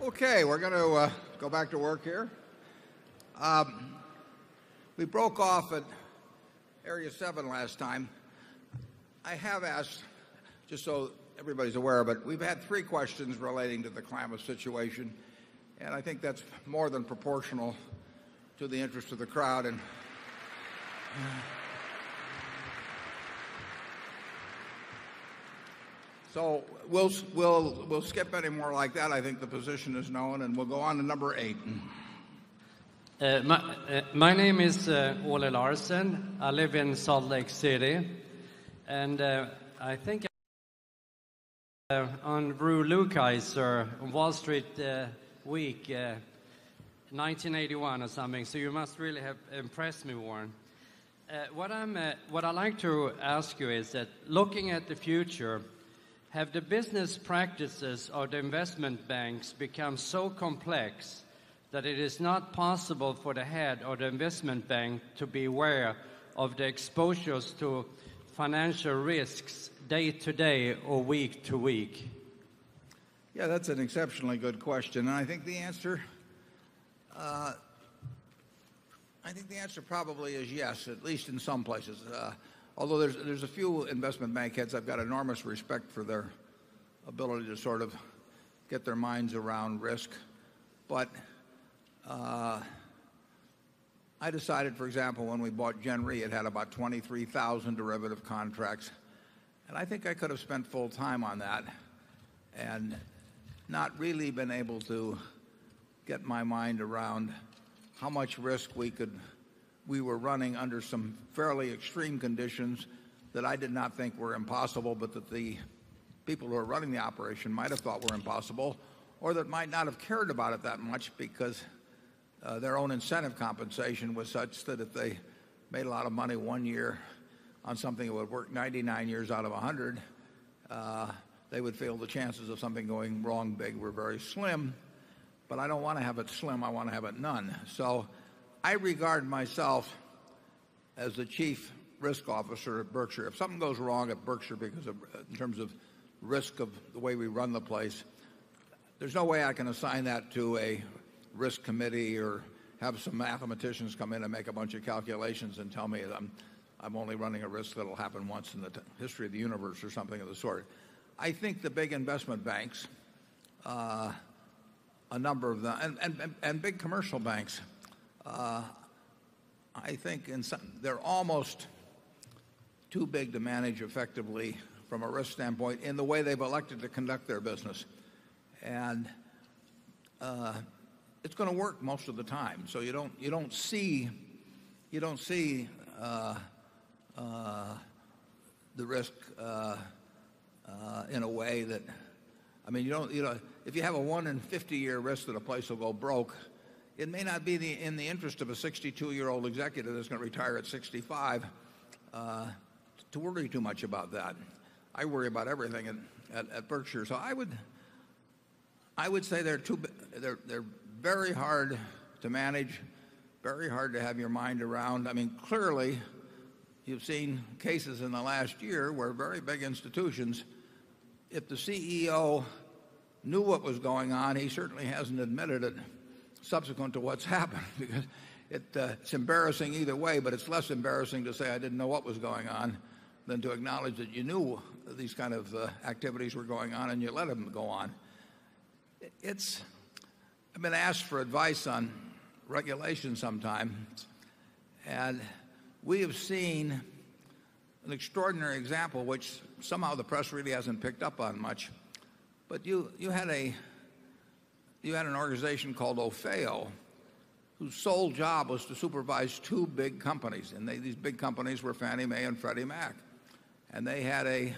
Okay. We're going to go back to work here. We broke off at Area 7 last time. I have asked, just so everybody's aware of it, we've had 3 questions relating to the Klamath situation, and I think that's more than proportional to the interest of the crowd. So we'll skip any more like that. I think the position is known, and we'll go on to number 8. My name is Ole Larsen. I live in Salt Lake City. And I think on Rue Lukaizer, Wall Street Week, 1981 or something. So you must really have impressed me, Warren. What I'd like to ask you is that looking at the future, have the business practice of the investment banks become so complex that it is not possible for the head of the investment bank to be aware of the exposures to financial risks day to day or week to week? That's an exceptionally good question. And I think the answer probably is yes, at least in some places. Although there's a few investment bank heads, I've got enormous respect for their ability to sort of get their minds around risk. But I decided for example when we bought Gen Re it had about 23,000 derivative contracts. And I think I could have spent full time on that and not really been able to get my mind around how much risk we could we were running under some fairly extreme conditions that I did not think were impossible, but that the people who are running the operation might have thought were impossible or that might not have cared about it that much because their own incentive compensation was such that if they made a lot of money 1 year on something that would work 99 years out of 100, they would feel the chances of something going wrong big were very slim. But I don't want to have it slim, I want to have it none. So I regard myself as the Chief Risk Officer at Berkshire. If something goes wrong at Berkshire because of in terms of risk of the way we run the place, there's no way I can assign that to a risk committee or have some mathematicians come in and make a bunch of calculations and tell me that I'm only running a risk that will happen once in the history of the universe or something of the sort. I think the big investment banks, a number of them and big commercial banks, I think in some they're almost too big to manage effectively from a risk standpoint in the way they've elected to conduct their business. And it's going to work most of the time. So you don't see the risk in a way that I mean, if you have a 1 in 50 year risk that a place will go broke, it may not be in the interest of a 62 year old executive that's going to retire at 65 to worry too much about that. I worry about everything at Berkshire. So I would say they're very hard to manage, very hard to have your mind around. I mean, clearly, you've seen cases in the last year where very big institutions, if the CEO knew what was going on, he certainly hasn't admitted it subsequent to what's happened. Because it's embarrassing either way, but it's less embarrassing to say I didn't know what was going on than to acknowledge that you knew these kind of activities were going on and you let them go on. It's I've been asked for advice on regulation sometimes. And we have seen an extraordinary example, which somehow the press really hasn't picked up on much. But you had a you had an organization called Ophail whose sole job was to supervise 2 big companies. And these big companies were Fannie Mae and Freddie Mac. And they had a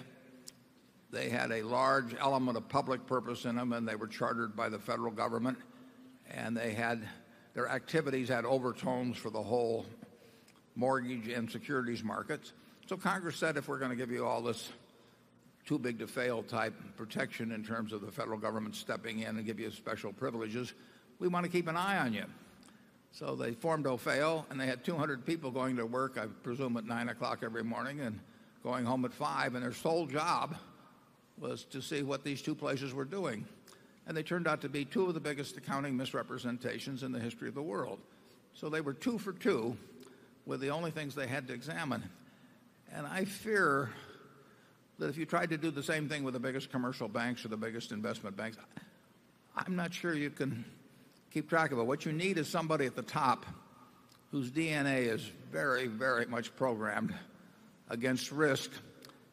they had a large element of public purpose in them and they were chartered by the federal government. And they had their activities had overtones for the whole mortgage and securities markets. So Congress said if we're going to give you all this too big to fail type protection in terms of the federal government stepping in and give you special privileges. We want to keep an eye on you. So they formed OFAO and they had 200 people going to work, I presume, at 9 o'clock every morning and going home at 5. And their sole job was to see what these two places were doing. And they turned out to be 2 of the biggest accounting misrepresentations in the history of the world. So they were 2 for 2 with the only things they had to examine. And I fear that if you try to do the same thing with the biggest commercial banks or the biggest investment banks, I'm not sure you can keep track of it. What you need is somebody at the top whose DNA is very, very much programmed against risk.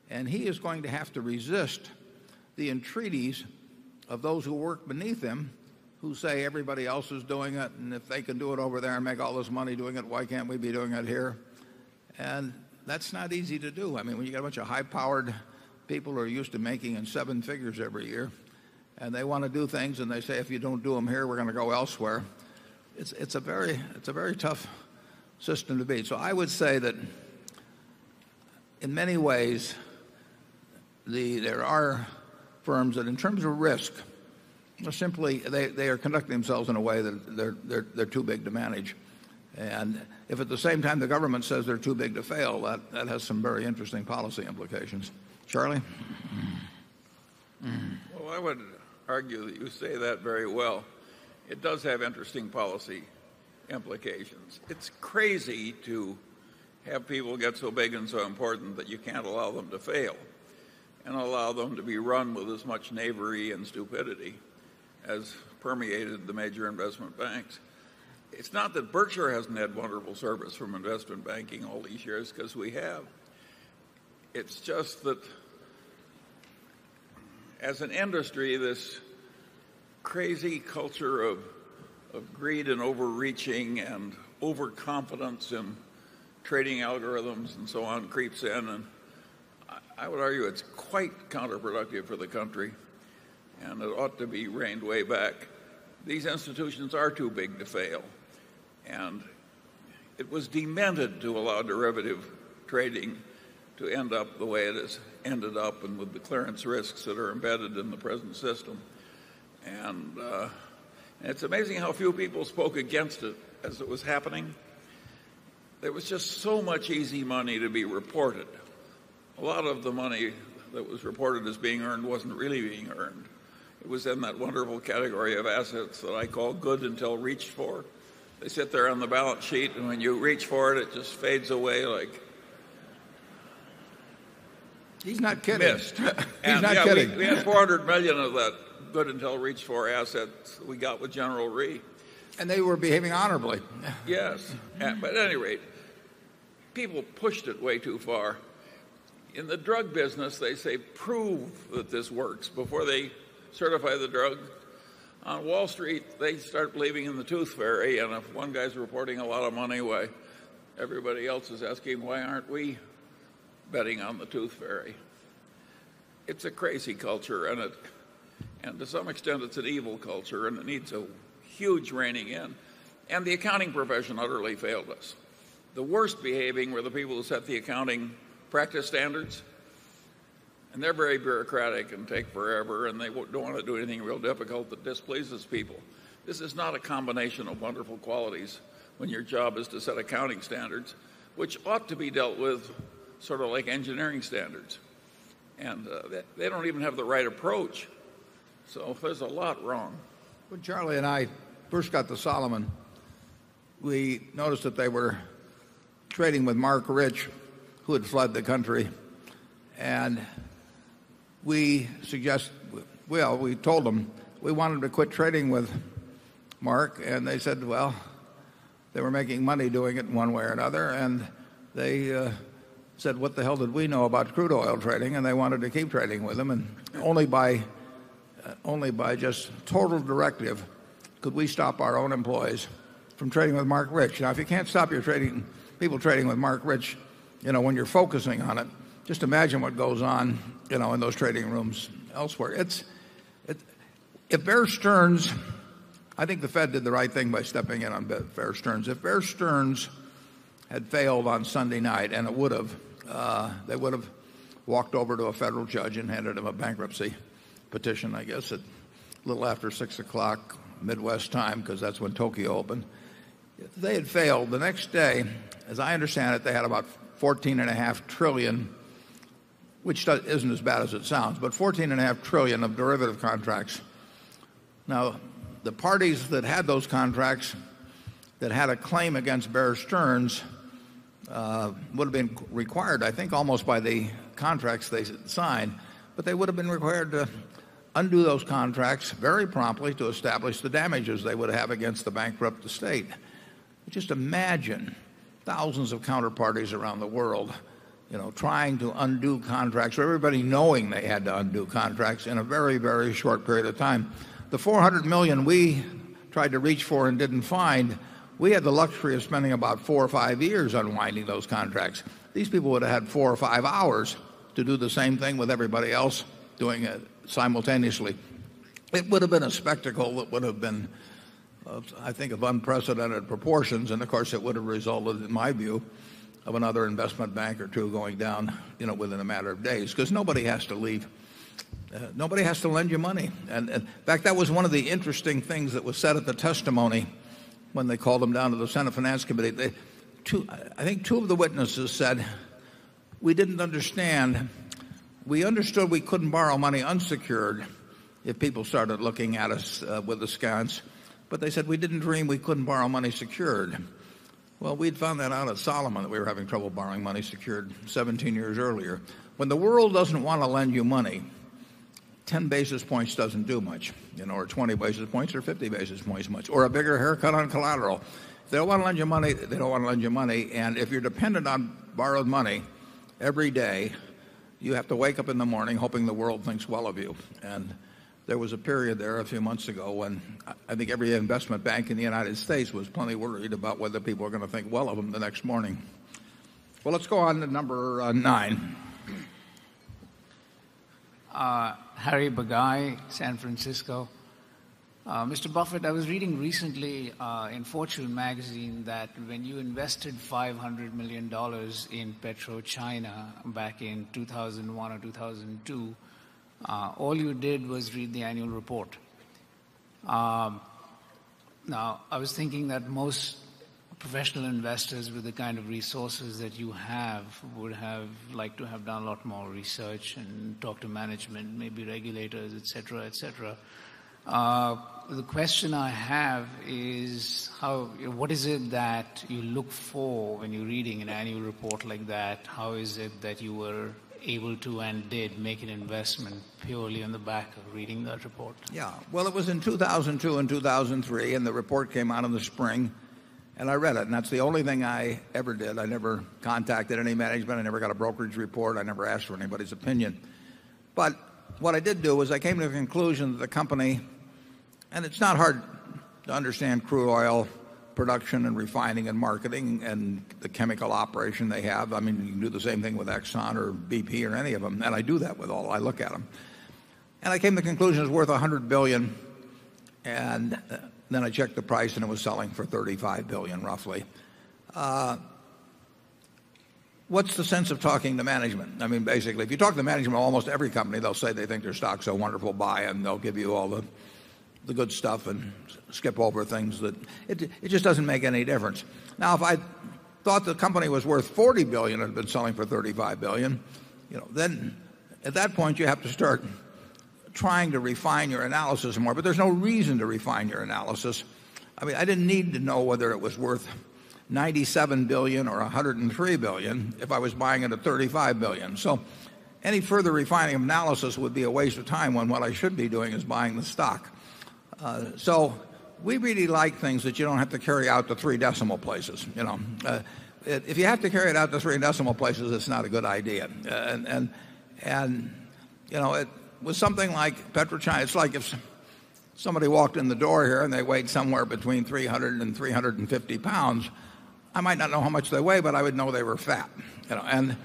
And he is going to have to resist the entreaties of those who work beneath him who say everybody else is doing it and if they can do it over there and make all this money doing it, why can't we be doing it here? And that's not easy to do. I mean, when you got a bunch of high powered people who are used to making in 7 figures every year and they want to do things and they say if you don't do them here we're going to go elsewhere. It's a very tough system to be. So I would say that in many ways there are firms that in terms of risk simply they are conducting themselves in a way that they're too big to manage. And if at the same time the government says they're too big to fail, that has some very interesting policy implications. Charlie? Well, I would argue that you say that very well. It does have interesting policy implications. It's crazy to have people get so big and so important that you can't allow them to fail and allow them to be run with as much knavery and stupidity as permeated the major investment banks. It's not that Berkshire hasn't had wonderful service from Investment Banking all these years because we have. It's just that as an industry, this crazy culture of of greed and overreaching and overconfidence in trading algorithms and so on creeps in. And I would argue it's quite counterproductive for the country and it ought to be reigned way back. These institutions are too big to fail. And it was demanded to allow derivative trading to end up the way it has ended up and with the clearance risks that are embedded in the present system. And it's amazing how few people spoke against it as it was happening. There was just so much easy money to be reported. A lot of the money that was reported as being earned wasn't really being earned. It was in that wonderful category of assets that I call good until reached for. They sit there on the balance sheet and when you reach for it, it just fades away like. He's not kidding. He's not kidding. We have $400,000,000 of that good until reach for assets we got with General Re. And they were behaving honorably. Yes. But at any rate, people pushed it way too far. In the drug business, they say prove that this works before they certify the drug. On Wall Street, they start believing in the tooth fairy. And if one guy's reporting a lot of money away, everybody else is asking, why aren't we betting on the tooth fairy? It's a crazy culture and to some extent, it's an evil culture and it needs a huge reining in. And the accounting profession utterly failed us. The worst behaving were the people who set the accounting practice standards, And they're very bureaucratic and take forever, and they don't want to do anything real difficult that displeases people. This is not a combination of wonderful qualities when your job is to set accounting standards, which ought to be dealt with sort of like engineering standards. And they don't even have the right approach. So there's a lot wrong. When Charlie and I first got to Solomon, we noticed that they were trading with Mark Rich who had fled the country. And we suggest well, we told them we wanted to quit trading with Mark. And they said, well, they were making money doing it one way or another. And they said, what the hell did we know about crude oil trading? And they wanted to keep trading with them. And only by only by just total directive could we stop our own employees from trading with Marc Rich? Now if you can't stop your trading people trading with Marc Rich, when you're focusing on it, just imagine what goes on in those trading rooms elsewhere. It's if Bear Stearns I think the Fed did the right thing by stepping in on Bear Stearns. If Bear Stearns had failed on Sunday night and it would have, they would have walked over to a federal judge and handed him a bankruptcy petition I guess at little after 6 o'clock Midwest time because that's when Tokyo opened. They had failed. The next day as I understand it they had about $14,500,000,000,000 which isn't as bad as it sounds, but $14,500,000,000,000 of derivative contracts. Now the parties that had those contracts that had a claim against Bear Stearns would have been required, I think, almost by the contracts they signed, but they would have been required to undo those contracts very promptly to establish the damages they would have against the bankrupt estate. Just imagine thousands of counterparties around the world, trying to undo contracts or everybody knowing they had to undo contracts in a very, very short period of time. The $400,000,000 we tried to reach for and didn't find, we had the luxury of spending about 4 or 5 years unwinding those contracts. These people would have had 4 or 5 hours to do the same thing with everybody else doing it simultaneously. It would have been a spectacle. It would have been, I think, of unprecedented proportions. And of course, it would have resulted, in my view, of another investment bank or 2 going down within a matter of days because nobody has to leave. Nobody has to lend you money. And in fact, that was one of the interesting things that was said at the testimony when they called them down to the Senate Finance Committee. 2 I think 2 of the witnesses said, we didn't understand. We understood we couldn't borrow money unsecured if people started looking at us with the sconce, but they said we didn't dream we couldn't borrow money secured. Well, we'd found that out at Solomon that we were having trouble borrowing money secured 17 years earlier. When the world doesn't want to lend you money, 10 basis points doesn't do much, or 20 basis points or 50 basis points much or a bigger haircut on collateral. They don't want to lend you money. They don't want to lend you money. And if you're dependent on borrowed money every day, you have to wake up in the morning hoping the world thinks well of you. And there was a period there a few months ago when I think every investment bank in the United States was plenty worried about whether people are going to think well of them the next morning. Well, let's go on to number 9. Harry Bagai, San Francisco. Mr. Buffet, I was reading recently in Fortune Magazine that when you invested $500,000,000 in PetroChina back in 2,001 or 2,002, all you did was read the annual report. Now I was thinking that most professional investors with the kind of resources that you have would have like to have done a lot more research and talk to management, maybe regulators, etcetera, etcetera. The question I have is how what is it that you look for when you're reading an annual report like that? How is it that you were able to and did make an investment purely on the back of reading that report? Yes. Well, it was in 20,022,003 and the report came out in the spring. And I read it. And that's the only thing I ever did. I never contacted any management. I never got a brokerage report. I never asked for anybody's opinion. But what I did do was I came to the conclusion that the company and it's not hard to understand crude oil production and refining and marketing and the chemical operation they have. I mean, you can do the same thing with Exxon or BP or any of them. And I do that with all I look at them. I came to conclusion it's worth $100,000,000,000 and then I checked the price and it was selling for $35,000,000,000 roughly. What's the sense of talking to management? I mean basically, if you talk to management almost every company, they'll say they think their stocks are wonderful, buy and they'll give you all the good stuff and skip over things that it just doesn't make any difference. Now if I thought the company was worth $40,000,000,000 I've been selling for 35,000,000,000 dollars Then at that point, you have to start trying to refine your analysis more, but there's no reason to refine your analysis. I mean, I didn't need to know whether it was worth $97,000,000,000 or $103,000,000,000 if I was buying it at $35,000,000,000 So any further refining analysis would be a waste of time when what I should be doing is buying the stock. So we really like things that you don't have to carry out to 3 decimal places. If you have to carry it out to 3 decimal places, it's not a good idea. And it was something like PetroChina. It's like if somebody walked in the door here and they weighed somewhere between £303.50 I might not know how much they weigh, but I would know they were fat. And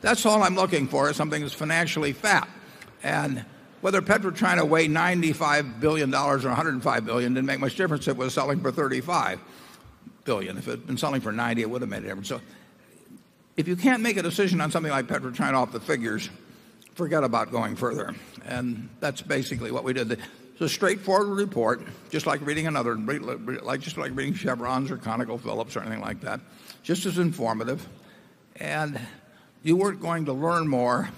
that's all I'm looking for is something that's financially fat. And whether PetroChina weighed $95,000,000,000 or $105,000,000,000 didn't make much difference. It was selling for $35,000,000,000 If it had been selling for $90,000,000 it would have made it. So if you can't make a decision on something like PetroChina off the figures, forget about going further. And that's basically what we did. It's a straightforward report just like reading another like just like reading Chevron's or ConocoPhillips or anything like that, just as informative. And you weren't going to learn more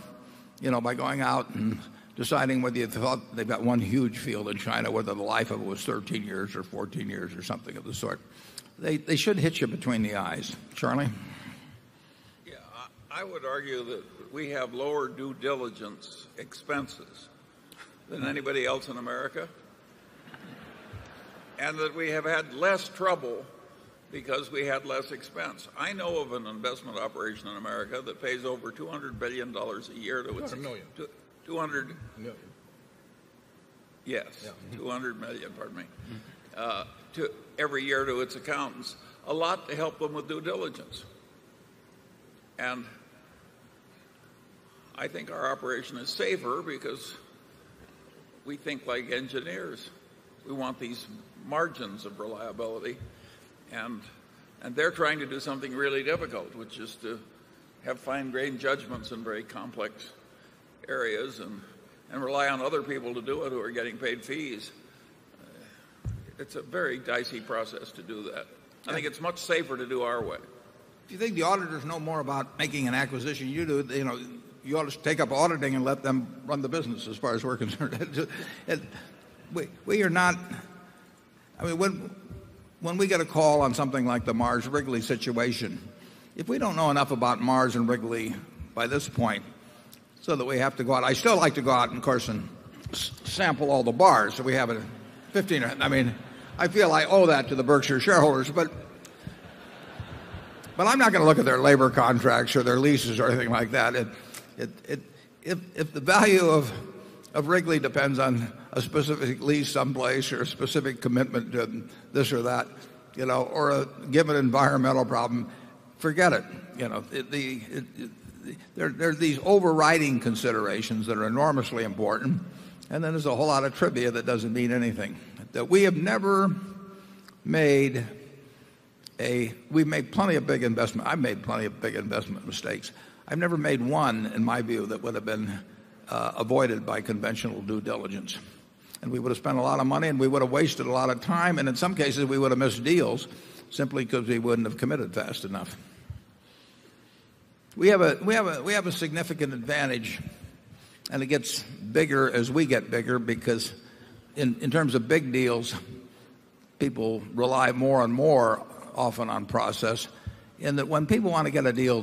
by going out and deciding whether you thought they've got one huge field in China, whether the life of it was 13 years or 14 years or something of the sort. They should hit you between the eyes. Charlie? Yes. I would argue that we have lower due diligence expenses than anybody else in America and that we have had less trouble because we had less expense. I know of an investment operation in America that pays over $200,000,000,000 a year to its $1,000,000 Yes, dollars 200,000,000 pardon me, every year to its accountants, a lot to help them with due diligence. And I think our operation is safer because we think like engineers. We want these margins of reliability. And they're trying to do something really difficult, which is to have fine grained judgments in very complex areas and rely on other people to do it who are getting paid fees. It's a very dicey process to do that. I think it's much safer to do our way. Do you think the auditors know more about making an acquisition you do? You ought to take up auditing and let them run the business as far as we're concerned. We are not I mean, when we get a call on something like the Mars Wrigley situation, if we don't know enough about Mars and Wrigley by this point so that we have to go out I still like to go out and of course and sample all the bars that we have at 15. I mean, I feel I owe that to the Berkshire shareholders, but I'm not going to look at their labor contracts or their leases or anything like that. If the value of Wrigley depends on a specific lease someplace or a specific commitment to this or that or a given environmental problem, forget it. There are these overriding considerations that are enormously important and then there's a whole lot of trivia that doesn't mean anything. That we have never made a we've made plenty of big investment. I've made plenty of big investment mistakes. I've never made one in my view that would have been avoided by conventional due diligence. And we would have spent a lot of money and we would have wasted a lot of time and in some cases we would have missed deals simply because they wouldn't have committed fast enough. We have a significant advantage and it gets bigger as we get bigger because in terms of big deals, people rely more and more often on process and that when people want to get a deal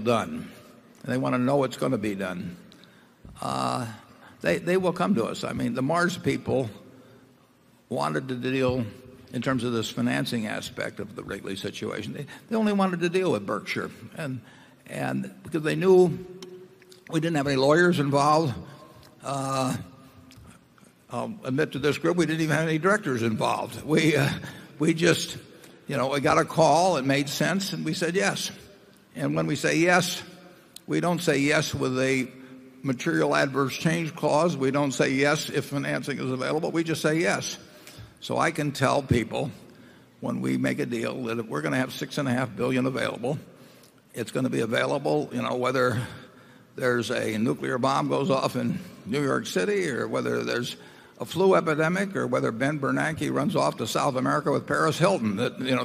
done and they want to know what's going to be done, they will come to us. I mean, the Mars people wanted to deal in terms of this financing aspect of the Wrigley situation. They only wanted to deal with Berkshire. And because they knew we didn't have any lawyers involved, admit to this group, we didn't even have any directors involved. We just got a call, it made sense and we said yes. And when we say yes, we don't say yes with a material adverse change cause. We don't say yes if financing is available. We just say yes. So I can tell people when we make a deal that if we're going to have $6,500,000,000 available, It's going to be available, you know, whether there's a nuclear bomb goes off in New York City or whether there's a flu epidemic or whether Ben Bernanke runs off to South America with Paris Hilton. The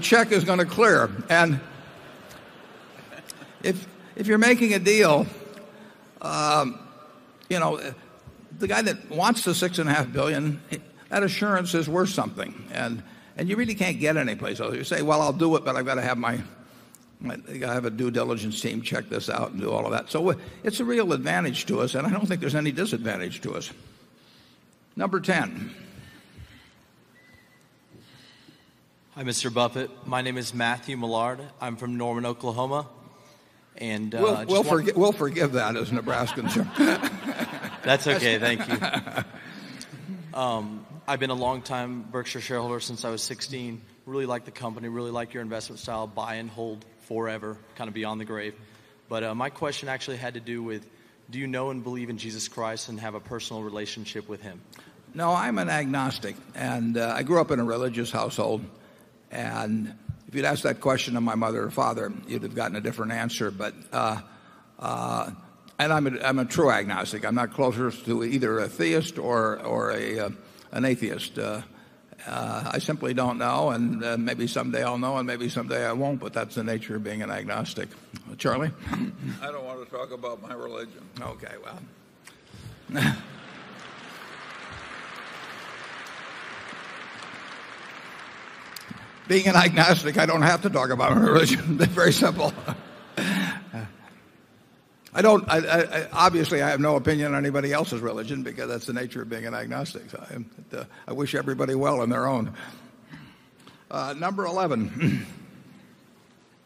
check is going to clear. And if you're making a deal, you know, the guy that wants the 6,500,000,000 dollars that assurance is worth something. And you really can't get any place. You say, well, I'll do it, but I've got to have my I've got to have a due diligence team check this out and do all of that. So it's a real advantage to us and I don't think there's any disadvantage to us. Number 10. Hi, Mr. Buffet. My name is Matthew Millard. I'm from Norman, Oklahoma. And We'll forgive that as a Nebraskan show. That's okay. Thank you. I've been a long time Berkshire shareholder since I was 16. Really like the company, really like your investment style, buy and hold forever, kind of beyond the grave. But, my question actually had to do with, do you know and believe in Jesus Christ and have a personal relationship with Him? No, I'm an agnostic. And I grew up in a religious household. And if you'd asked that question of my mother and father, you'd have gotten a different answer. But and I'm a true agnostic. I'm not closer to either a theist or an atheist. I simply don't know. And maybe someday I'll know and maybe someday I won't, but that's the nature of being an agnostic. Charlie? I don't want to talk about my religion. Okay. Well, Being an agnostic, I don't have to talk about religion. It's very simple. I don't obviously, I have no opinion on anybody else's religion because that's the nature of being an agnostic. I wish everybody well on their own. Number 11.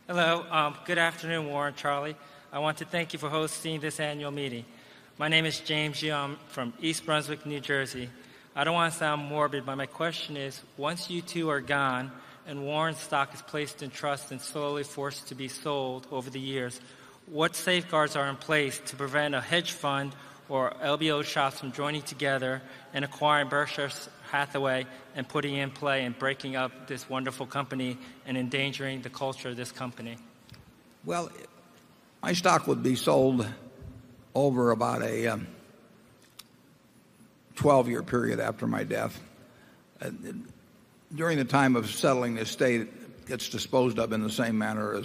Hello. Good afternoon, Warren and Charlie. I want to thank you for hosting this annual meeting. My name is James Yum from East Brunswick, New Jersey. I don't want to sound morbid, but my question is, once you 2 are gone and Warren's stock is placed in trust and slowly forced to be sold over the years, What safeguards are in place to prevent a hedge fund or LBO shops from joining together and acquiring Berkshire's Hathaway and putting in play and breaking up this wonderful company and endangering the culture of this company? Well, my stock would be sold over about a 12 year period after my death. During the time of settling, the state gets disposed of in the same manner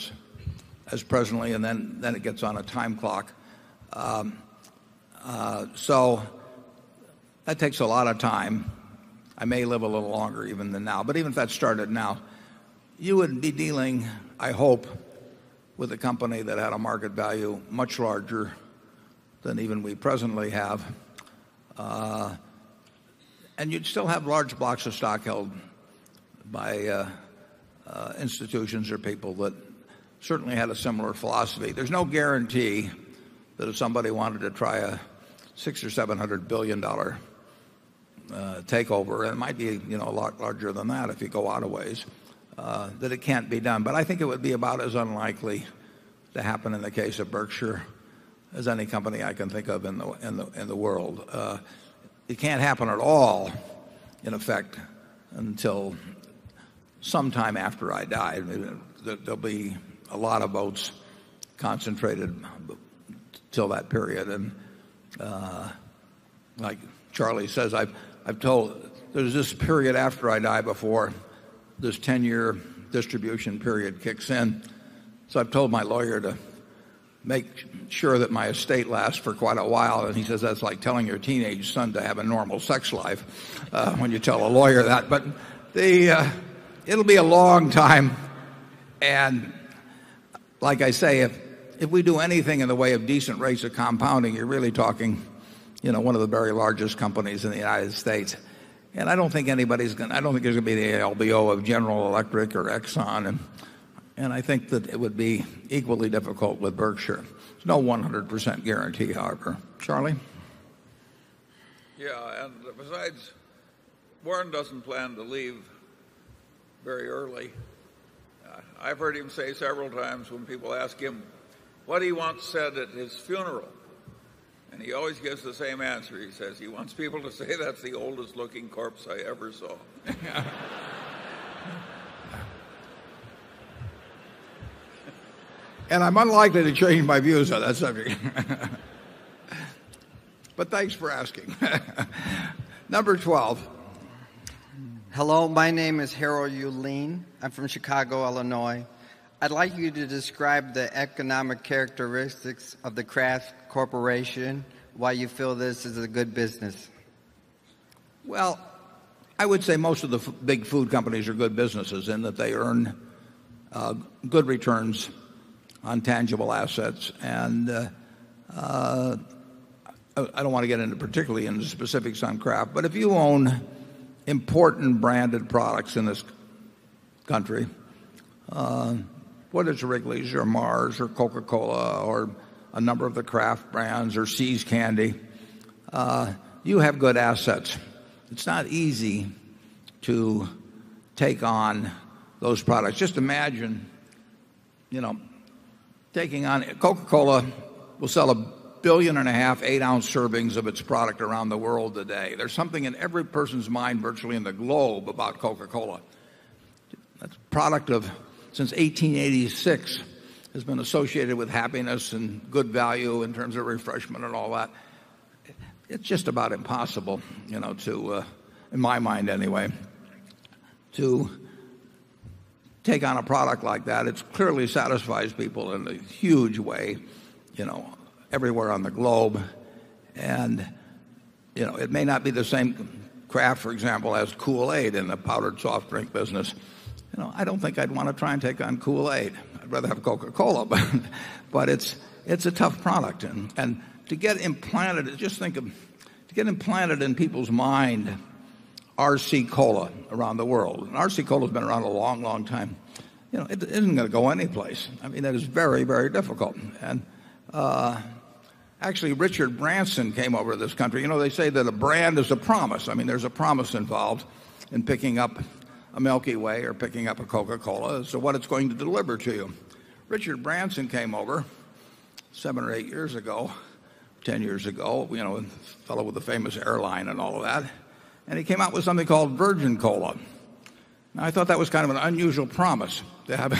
as presently and then it gets on a time clock. So that takes a lot of time. I may live a little longer even than now, but even if that started now, you wouldn't be dealing, I hope, with a company that had a market value much larger than even we presently have. And you'd still have large blocks of stock held by institutions or people that certainly had a similar philosophy. There's no guarantee that if somebody wanted to try a $600,000,000,000 or $700,000,000,000 takeover and it might be a lot larger than that if you go out of ways, that it can't be done. But I think it would be about as unlikely to happen in the case of Berkshire as any company I can think of in the world. It can't happen at all in effect until sometime after I die. There'll be a lot of boats concentrated till that period. And like Charlie says, I've told there's this period after I die before this 10 year distribution period kicks in. So I've told my lawyer to make sure that my estate lasts for quite a while and he says that's like telling your teenage son to have a normal sex life, when you tell a lawyer that. But the, it'll be a long time. And like I say, if we do anything in the way of decent rates of compounding, you're really talking, you know, one of the very largest companies in the United States. And I don't think anybody's going to I don't think there's going to be the LBO of General Electric or Exxon. And and I think that it would be equally difficult with Berkshire. No 100% guarantee, Harper. Charlie? Yes. And besides, Warren doesn't plan to leave very early. I've heard him say several times when people ask him what he wants said at his funeral. He always gets the same answer. He says he wants people to say that's the oldest looking corpse I ever saw. And I'm unlikely to change my views on that subject. But thanks for asking. Number 12. Hello. My name is Harold Ullin. I'm from Chicago, Illinois. I'd like you to describe the economic characteristics of the Craft Corporation, why you feel this is a good business? Well, I would say most of the big food companies are good businesses in that they earn good returns on tangible assets. And I don't want to get into particularly into specifics on kraft. But if you own important branded products in this country, whether it's Wrigley's or Mars or Coca Cola or a number of the craft brands or See's Candy, you have good assets. It's not easy to take on those products. Just imagine taking on Coca Cola will sell 1,500,000,000 8 ounce servings of its product around the world today. There's something in every person's mind virtually in the globe about Coca Cola. That's a product of since 18/86 has been associated with happiness and good value in terms of refreshment and all that. It's just about impossible to in my mind anyway, to take on a product like that. It clearly satisfies people in a huge way everywhere on the globe. And it may not be the same craft, for example, as Kool Aid in the powdered soft drink business. I don't think I'd want to try and take on Kool Aid. I'd rather have Coca Cola. But it's a tough product. And to get implanted, just think of to get implanted in people's mind RC Cola around the world. RC Cola has been around a long, long time. You know, it isn't going to go anyplace. I mean, that is very, very difficult. And, actually Richard Branson came over to this country. You know, they say that a brand is a promise. I mean, there's a promise involved in picking up a Milky Way or picking up a Coca Cola. So what it's going to deliver to you? Richard Branson came over 7 or 8 years ago, 10 years ago, you know, fellow with the famous airline and all of that. And he came out with something called Virgin Cola. And I thought that was kind of an unusual promise to have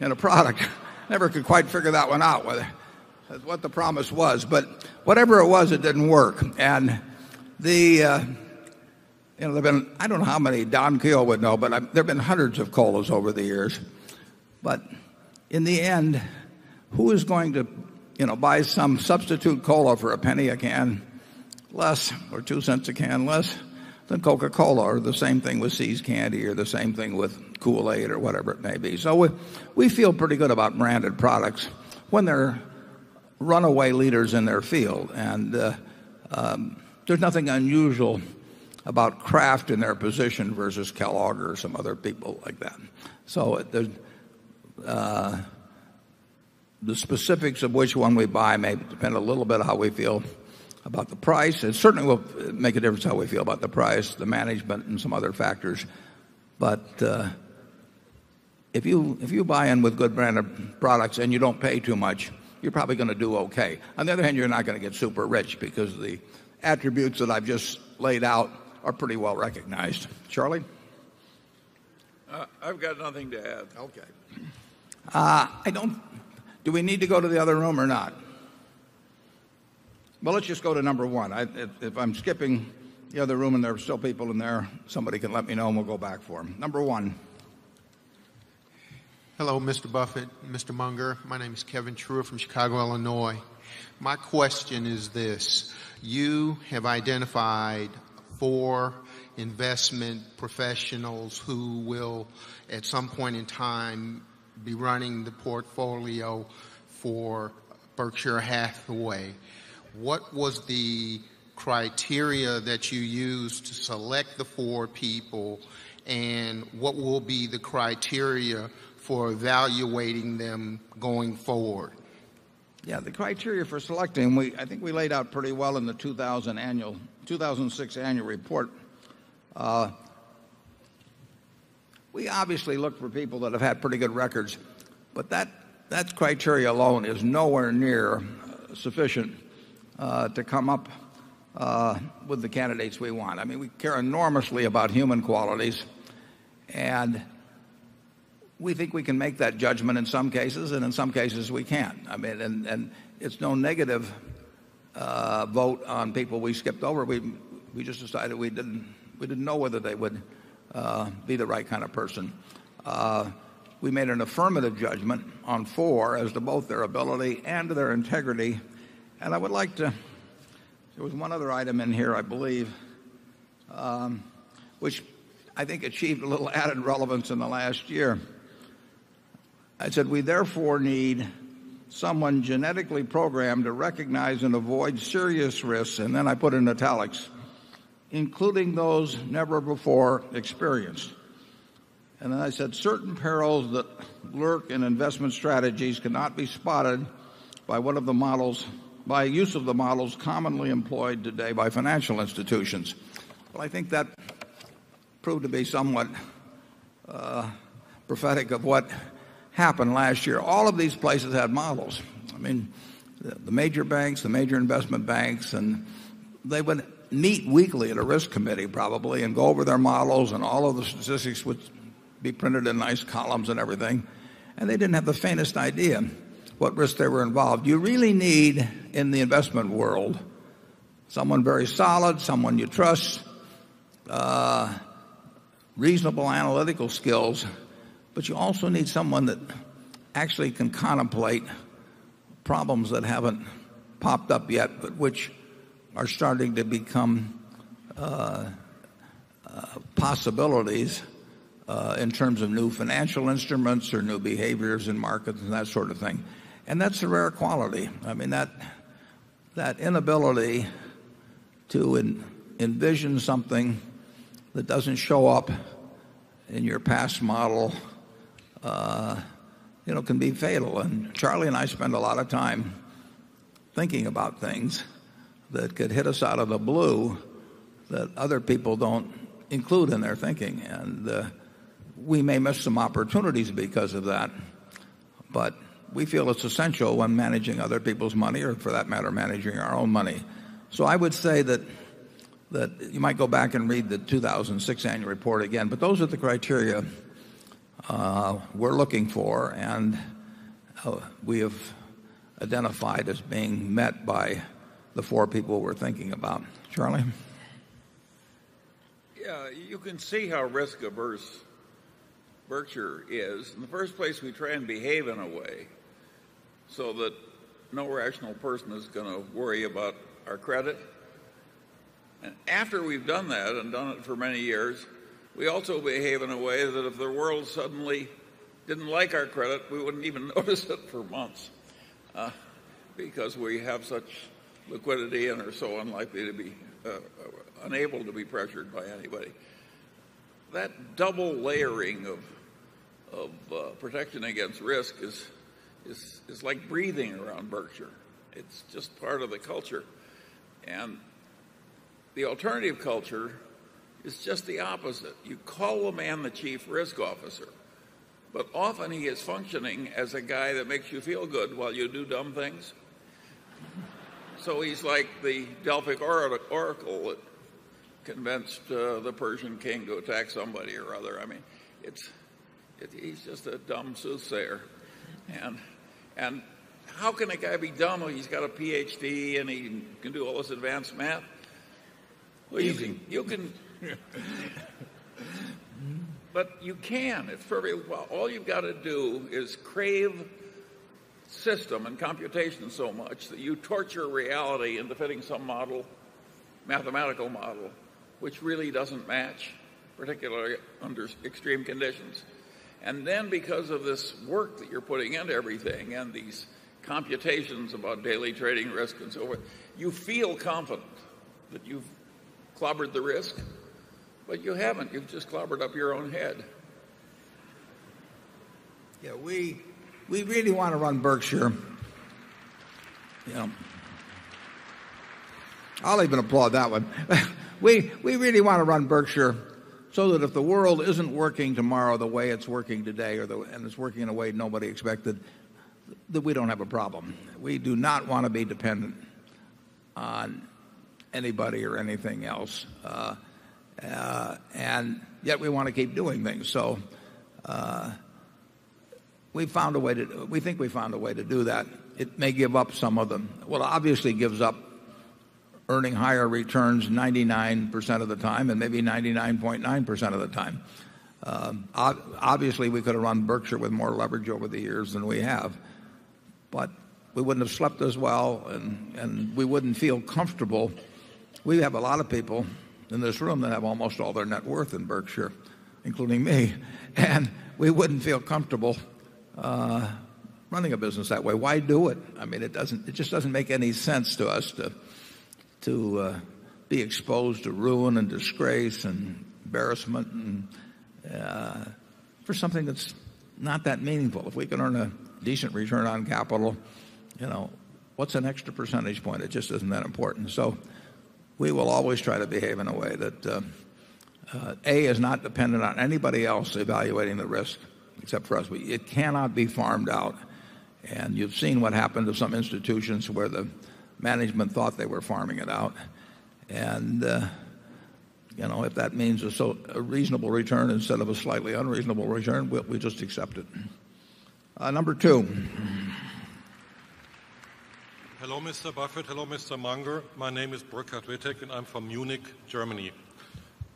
in a product. Never could quite figure that one out whether that's what the promise was. But whatever it was, it didn't work. And the, you know, there have been I don't know how many Don Keel would know, but there have been hundreds of Colas over the years. But in the end, who is going to, you know, buy some substitute Cola for a penny a can less or $0.02 a can less than Coca Cola or the same thing with See's candy or the same thing with Kool Aid or whatever it may be. So we feel pretty good about branded products when they're runaway leaders in their field. And there's nothing unusual about Kraft in their position versus Kellogg or some other people like that. So the specifics of which one we buy may depend a little bit how we feel about the price. It certainly will make a difference how we feel about the price, the management and some other factors. But if you buy in with good branded products and you don't pay too much, you're probably going to do okay. On the other hand, you're not going to get super rich because the attributes that I've just laid out are pretty well recognized. Charlie? I've got nothing to add. Okay. I don't do we need to go to the other room or not? Well, let's just go to number 1. If I'm skipping the other room and there are still people in there, somebody can let me know and we'll go back for them. Number 1? Hello, Mr. Buffet, Mr. Munger. My name is Kevin Truer from Chicago, Illinois. My question is this. You have identified 4 investment professionals who will at some point in time be running the portfolio for Berkshire Hathaway. What was the criteria that you used to select the 4 people? And what will be the criteria for evaluating them going forward? The criteria for selecting, I think we laid out pretty well in the 2,000 annual 2006 annual report. We obviously look for people that have had pretty good records, but that criteria alone is nowhere near sufficient to come up with the candidates we want. I mean, we care enormously about human qualities and we think we can make that judgment in some cases and in some cases we can't. I mean and and it's no negative vote on people we skipped over. We we just decided we didn't we didn't know whether they would, be the right kind of person. We made an affirmative judgment on 4 as to both their ability and to their integrity. And I would like to there was one other item in here I believe which I think achieved a little added relevance in the last year. I said we, therefore, need someone genetically programmed to recognize and avoid serious risks, and then I put in italics, including those never before experienced. And then I said certain perils that lurk in investment strategies cannot be spotted by one of the models by use of the models commonly employed today by financial institutions. Well, I think that proved to be somewhat prophetic of what happened last year. All of these places had models. I mean, the major banks, the major investment banks and they would meet weekly at a risk committee probably and go over their models and all of the statistics would be printed in nice columns and everything. And they didn't have the faintest idea what risk they were involved. You really need in the investment world someone very solid, someone you trust, reasonable analytical skills, but you also need someone that actually can contemplate problems that haven't popped up yet, but which are starting to become possibilities in terms of new financial instruments or new behaviors in markets and that sort of thing. And that's a rare quality. I mean that inability to envision something that doesn't show up in your past model you know, can be fatal. And Charlie and I spend a lot of time thinking about things that could hit us out of the blue that other people don't include in their thinking. And we may miss some opportunities because of that, But we feel it's essential when managing other people's money or for that matter managing our own money. So I would say that you might go back and read the 2006 annual report again, but those are the criteria we're looking for and we have identified as being met by the 4 people we're thinking about. Charlie? Yes. You can see how risk averse Berkshire is in the 1st place we try and behave in a way so that no rational person is going to worry about our credit. And after we've done that and done it for many years, we also behave in a way that if the world suddenly didn't like our credit, we wouldn't even notice it for months because we have such liquidity and are so unlikely to be unable to be pressured by anybody. That double layering of protection against risk is like breathing around Berkshire. It's just part of the culture. And the alternative culture is just the opposite. You call a man the chief risk officer, but often he is functioning as a guy that makes you feel good while you do dumb things. So he's like the Delphic Oracle that convinced the Persian King to attack somebody or other. I mean, he's just a dumb soothsayer. And how can a guy be dumb when he's got a PhD and he can do all this advanced math? Well, you can but you can. All you've got to do is crave system and computation so much that you torture reality into fitting some model, mathematical model, which really doesn't match, particularly under extreme conditions. And then because of this work that you're putting into everything and these computations about daily trading risk and so forth. You feel confident that you've clobbered the risk, but you haven't. You've just clobbered up your own head. Yes. We really want to run Berkshire. I'll even applaud that one. We really want to run Berkshire so that if the world isn't working tomorrow the way it's working today and it's working in a way nobody expected, that we don't have a problem. We do not want to be dependent on anybody or anything else. And yet we want to keep doing things. So we found a way to we think we found a way to do that. It may give up some of them. Well, obviously gives up earning higher returns 99% of the time and maybe 99.9% of the time. Obviously, we could have run Berkshire with more leverage over the years than we have, but we wouldn't have slept as well and we wouldn't feel comfortable. We have a lot of people in this room that have almost all their net worth in Berkshire, including me. And we wouldn't feel comfortable running a business that way. Why do it? I mean, it doesn't it just doesn't make any sense to us to be exposed to ruin and disgrace and embarrassment for something that's not that meaningful. If we can earn a decent return on capital, what's an extra percentage point? It just isn't that important. So we will always try to behave in a way that A is not dependent on anybody else evaluating the risk except for us. It cannot be farmed out. And you've seen what happened to some institutions where the management thought they were farming it out. And if that means a reasonable return instead of a slightly unreasonable return, we just accept it. Number 2. Hello, Mr. Buffett. Hello, Mr. Munger. My name is Burkhard Wittek, and I'm from Munich, Germany.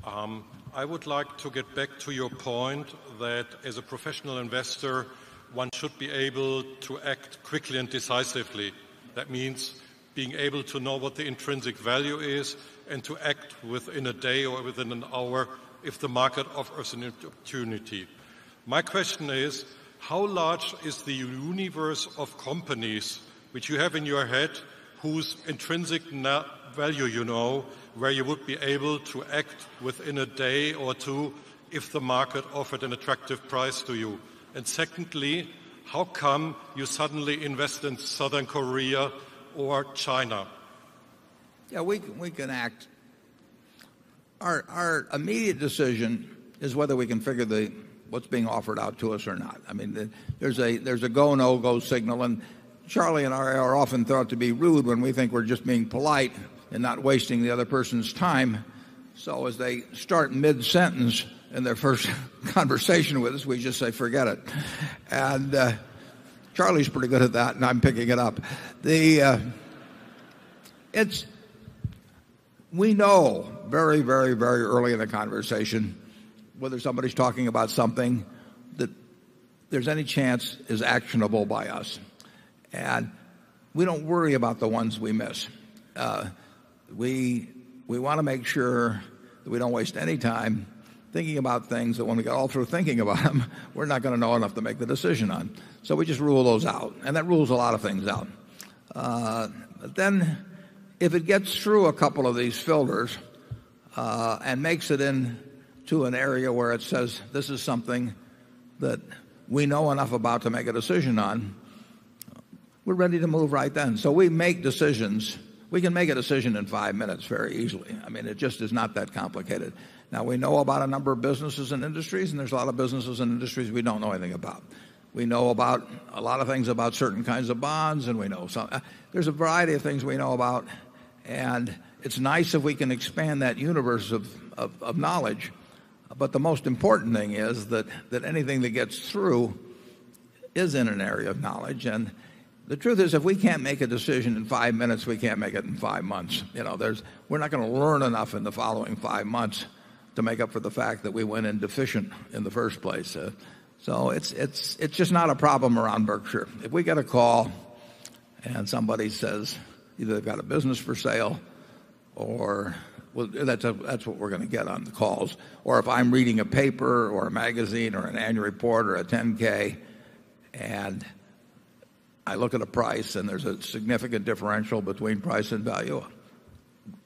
I would like to get back to your point that as a professional investor, one should be able to act quickly and decisively. That means being able to know what the intrinsic value is and to act within a day or within an hour if the market offers an opportunity. My question is, how large is the universe of companies which you have in your head whose intrinsic value you know where you would be able to act within a day or 2 if the market offered an attractive price to you? And secondly, how come you suddenly invest in Southern Korea or China? Yes, we can act. Our immediate decision is whether we can figure the what's being offered out to us or not. I mean, there's a go, no, go signal. And Charlie and I are often thought to be rude when we think we're just being polite and not wasting the other person's time. So as they start mid sentence in their first conversation with us, we just say forget it. And Charlie is pretty good at that and I'm picking it up. The it's we know very, very, very early in the conversation whether somebody is talking about something that there's any chance is actionable by us. And we don't worry about the ones we miss. We want to make sure we don't waste any time thinking about things that when we get all through thinking about them, we're not going to know enough to make the decision on. So we just rule those out and that rules a lot of things out. Then if it gets through a couple of these filters and makes it into an area where it says this is something that we know enough about to make a decision on, we're ready to move right then. So we make decisions. We can make a decision in 5 minutes very easily. I mean, it just is not that complicated. Now we know about a number of businesses and industries, and there's a lot of businesses and industries we don't know anything about. We know about a lot of things about certain kinds of bonds and we know some there's a variety of things we know about. And it's nice if we can expand that universe of knowledge. But the most important thing is that anything that gets through is in an area of knowledge. And the truth is, if we can't make a decision in 5 minutes, we can't make it in 5 months. There's we're not going to learn enough in the following 5 months to make up for the fact that we went in deficient in the 1st place. So it's just not a problem around Berkshire. If we get a call and somebody says either they've got a business for sale or that's what we're going to get on the calls Or if I'm reading a paper or a magazine or an annual report or a 10 ks and I look at a price and there's a significant differential between price and value,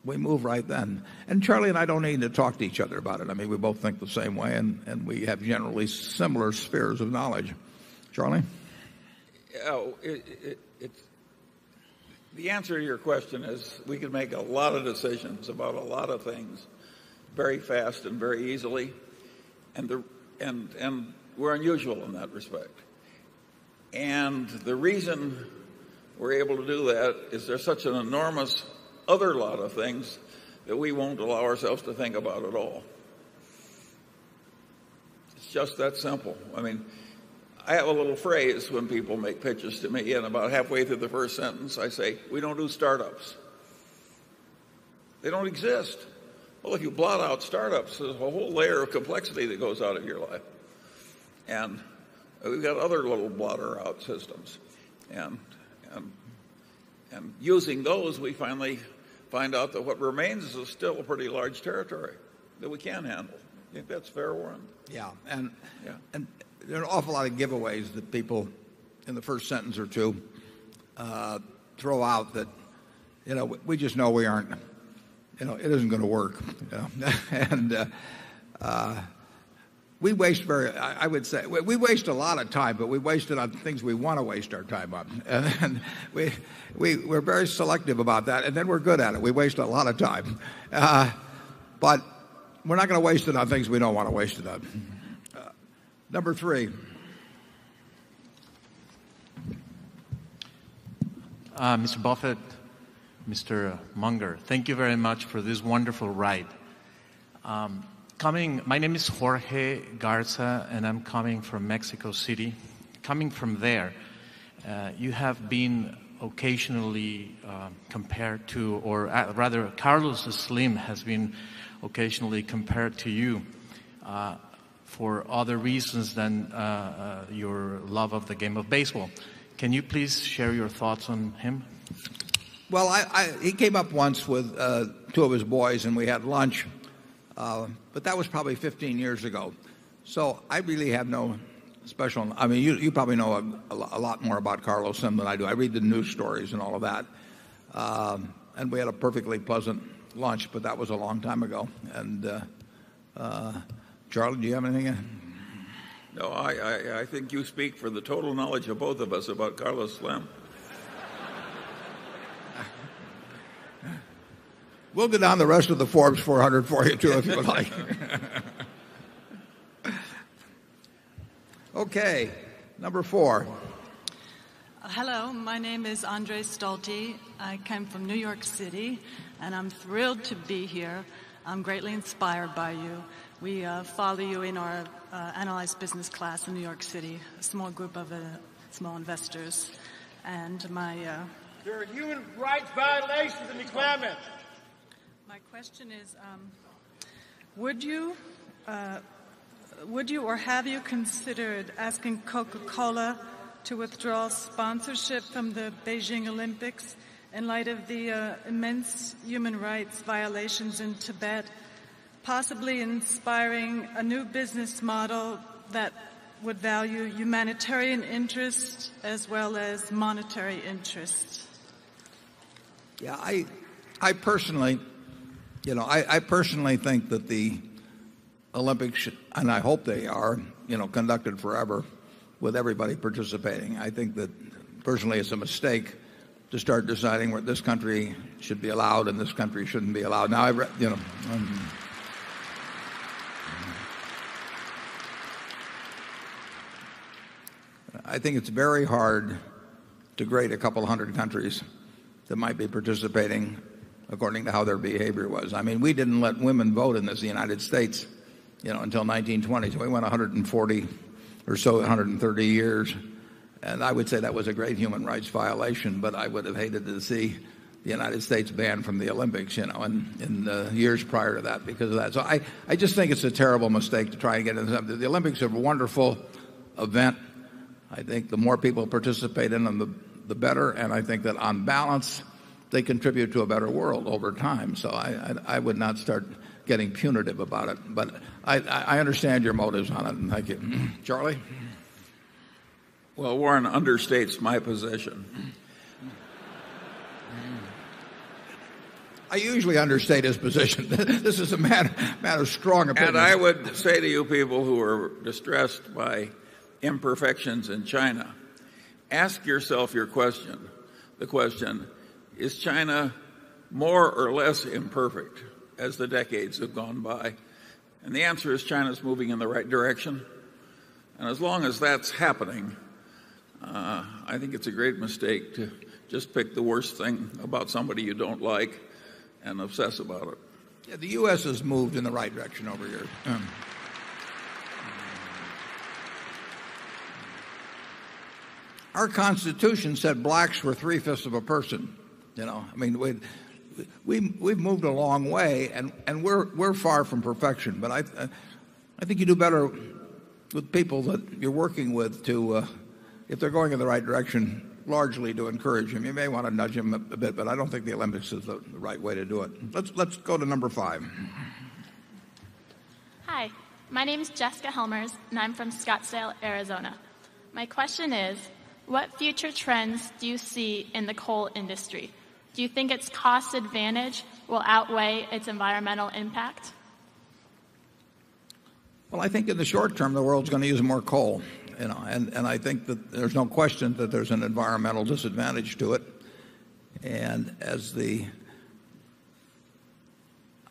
we move right then. And Charlie and I don't need to talk to each other about it. I mean, we both think the same way and we have generally similar spheres of knowledge. Charlie? The answer to your question is we can make a lot of decisions about a lot of things very fast and very easily. And we're unusual in that respect. And the reason we're able to do that is there's such an enormous other lot of things that we won't allow ourselves to think about at all. It's just that simple. I mean, I have a little phrase when people make pitches to me and about halfway through the first sentence, I say, we don't do startups. They don't exist. Well, if you blot out startups, there's a whole layer of complexity that goes out of your life. And we've got other little blotter out systems. And using those, we finally find out that what remains is still a pretty large territory that we can handle. I think that's fair, Warren. Yes. And there are awful lot of giveaways that people in the first sentence or 2 throw out that we just know we aren't it isn't going to work. And we waste very I would say we waste a lot of time, but we waste it on things we want to waste our time on. And we're very selective about that and then we're good at it. We waste a lot of time. But we're not going to waste it on things we don't want to waste it on. Number 3? Mr. Buffet, Mr. Munger, thank you very much for this wonderful ride. Coming my name is Jorge Garza and I'm coming from Mexico City. Coming from there, you have been occasionally compared to or rather Carlos Slim has been occasionally compared to you for other reasons than your love of the game of baseball. Can you please share your thoughts on him? Well, he came up once with 2 of his boys and we had lunch, but that was probably 15 years ago. So I really have no special I mean you probably know a lot more about Carlos than I do. I read the news stories and all of that. And we had a perfectly pleasant launch, but that was a long time ago. And, Charlie, do you have anything? No. I think you speak for the total knowledge of both of us about Carlos Lam. Hello. My name is Andre Stolte. I came from New York City, and I'm thrilled to be here. I'm greatly inspired by you. We follow you in our analyzed business class in New York City, a small group of small investors. And my There are human rights violations in the climate. My question is, would you or have you considered asking Coca Cola to withdraw sponsorship from the Beijing Olympics in light of the, immense human rights violations in Tibet, possibly inspiring a new business model that would value humanitarian interest as well as monetary interest? Yes. I personally, you know, I I personally think that the Olympics should and I hope they are, you know, conducted forever with everybody participating. I think that personally, it's a mistake to start deciding where this country should be allowed and this country shouldn't be allowed. Now I've read, you know. I think it's very hard to grade a couple of 100 countries that might be participating according to how their behavior was. I mean, we didn't let women vote in this United States until 1920. We went 140 or so, 130 years. And I would say that was a great human rights violation, but I would have hated to see the United States banned from the Olympics, you know, in the years prior to that because of that. So I just think it's a terrible mistake to try and get into something. The Olympics are a wonderful event. I think the more people participate in them, the better. And I think that on balance, they contribute to a better world over time. So I would not start getting punitive about it. But I understand your motives on it. Thank you. Charlie? Well, Warren understates my position. I usually understate his position. This is a matter of strong opinion. And I would say to you people who are distressed by imperfections in China, ask yourself your question. The question, is China more or less imperfect as the decades have gone by? And the answer is China is moving in the right direction. And as long as that's happening, I think it's a great mistake to just pick the worst thing about somebody you don't like and obsess about it. The US has moved in the right direction over here. Our constitution said blacks were 3 5ths of a person. I mean, we've moved a long way and we're far from perfection. But I think you do better with people that you're working with to if they're going in the right direction largely to encourage them. You may want to nudge them a bit, but I don't think the Olympics is the right way to do it. Let's go to number 5. Hi. My name is Jessica Helmers and I'm from Scottsdale, Arizona. My question is, what future trends do you see in the coal industry? Do you think its cost advantage will outweigh its environmental impact? Well, I think in the short term, the world's going to use more coal. And I think that there's no question that there's an environmental disadvantage to it. And as the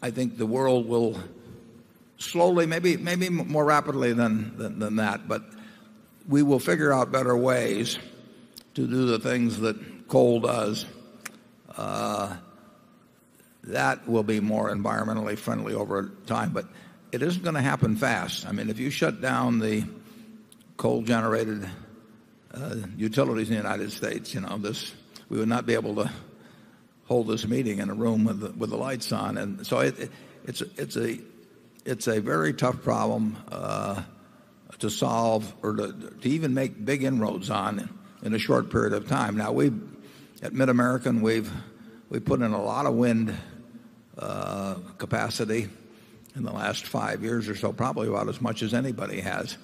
I think the world will slowly maybe more rapidly than that, but we will figure out better ways to do the things that coal does. That will be more environmentally friendly over time. But it isn't going to happen fast. I mean, if you shut down the coal generated utilities in the United States, you know this we would not be able to hold this meeting in a room with the lights on. And so it's a very tough problem to solve or to even make big inroads on in a short period of time. Now we at MidAmerican, we've put in a lot of wind capacity in the last 5 years or so, probably about as much as anybody has.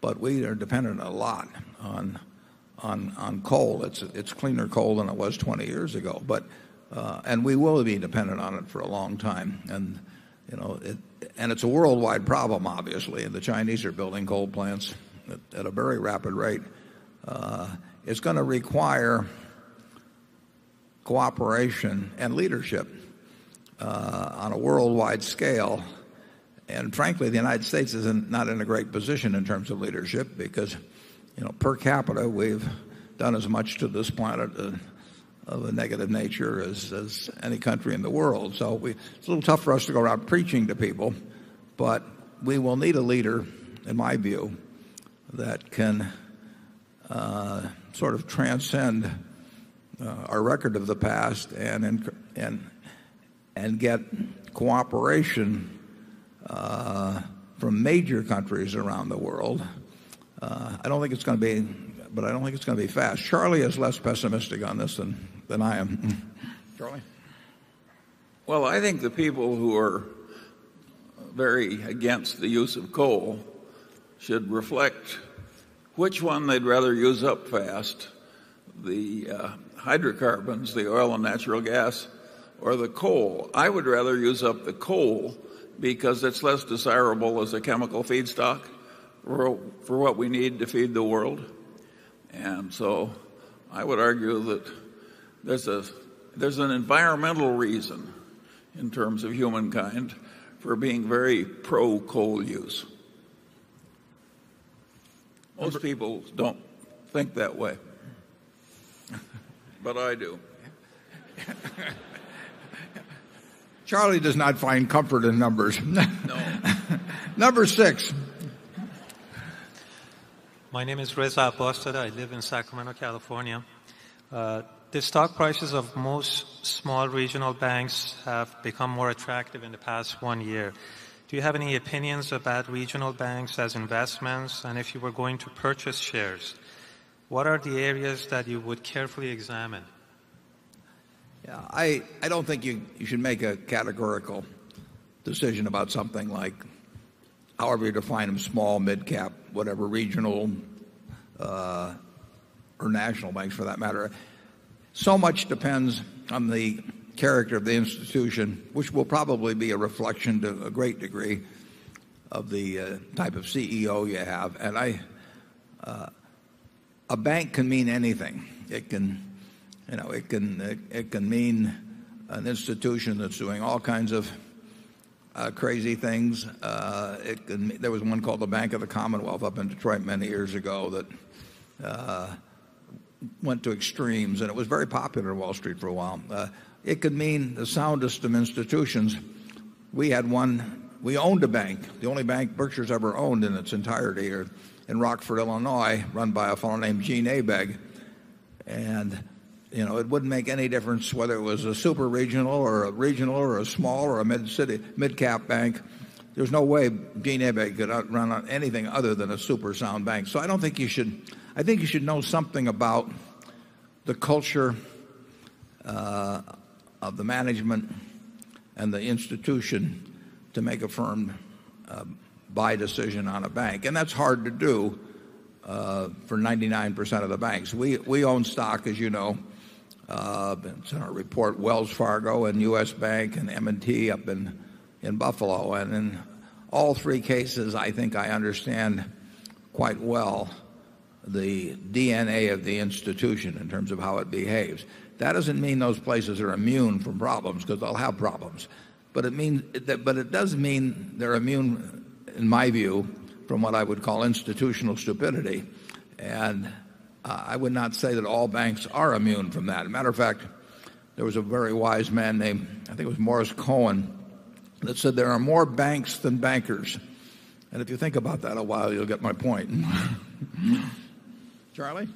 But we are dependent a lot on coal. It's cleaner coal than it was 20 years ago. But and we will be dependent on it for a long time. And it's a worldwide problem, obviously. And the Chinese are building gold plants at a very rapid rate. It's going to require cooperation and leadership, on a worldwide scale. And frankly, the United States is not in a great position in terms of leadership because, you know, per capita, we've done as much to this planet of a negative nature as any country in the world. So it's a little tough for us to go around preaching to people, but we will need a leader, in my view, that can, sort of transcend, our record of the past and and and get cooperation, from major countries around the world. I don't think it's going to be, but I don't think it's going to be fast. Charlie is less pessimistic on this than I am. Charlie? Well, I think the people who are very against the use of coal should reflect which one they'd rather use up fast. The hydrocarbons, the oil and natural gas or the coal? I would rather use up the coal because it's less desirable as a chemical feedstock for what we need to feed the world. And so I would argue that there's a there's an environmental reason in terms of humankind for being very pro coal use. Most people don't think that way. But I do. Charlie does not find comfort in numbers. Number 6. My name is Reza Abbostad. I live in Sacramento, California. The stock prices of most small regional banks have become more attractive in the past 1 year. Do you have any opinions about regional banks as investments and if you were going to purchase shares, what are the areas that you would carefully examine? Yes. I don't think you should make a categorical decision about something like, however you define them small, mid cap, whatever regional or national banks for that matter. So much depends on the character of the institution, which will probably be a reflection to a great degree of the type of CEO you have. And I a bank can mean anything. It can It can mean an institution that's doing all kinds of crazy things. There was one called the Bank of the Commonwealth up in Detroit many years ago that went to extremes and it was very popular Wall Street for a while. It could mean the soundest of institutions. We had one we owned a bank, the only bank Berkshire's ever owned in its entirety here in Rockford, Illinois run by a fellow named Jean Abeg. And it wouldn't make any difference whether it was a super regional or a regional or a small or a mid city mid cap bank. There's no way Dean Ebay could run on anything other than a super sound bank. So I don't think you should I think you should know something about the culture of the management and the institution to make a firm buy decision on a bank. And that's hard to do for 99% of the banks. We own stock as you know. And it's in our report, Wells Fargo and U. S. Bank and M and T up in Buffalo. And in all three cases, I think I understand quite well the DNA of the institution in terms of how it behaves. That doesn't mean those places are immune from problems because they'll have problems. But it means but it doesn't mean they're immune in my view from what I would call institutional stupidity. And I would not say that all banks are immune from that. As a matter of fact, there was a very wise man named, I think it was Morris Cohen, that said there are more banks than bankers. And if you think about that a while, you'll get my point. Charlie?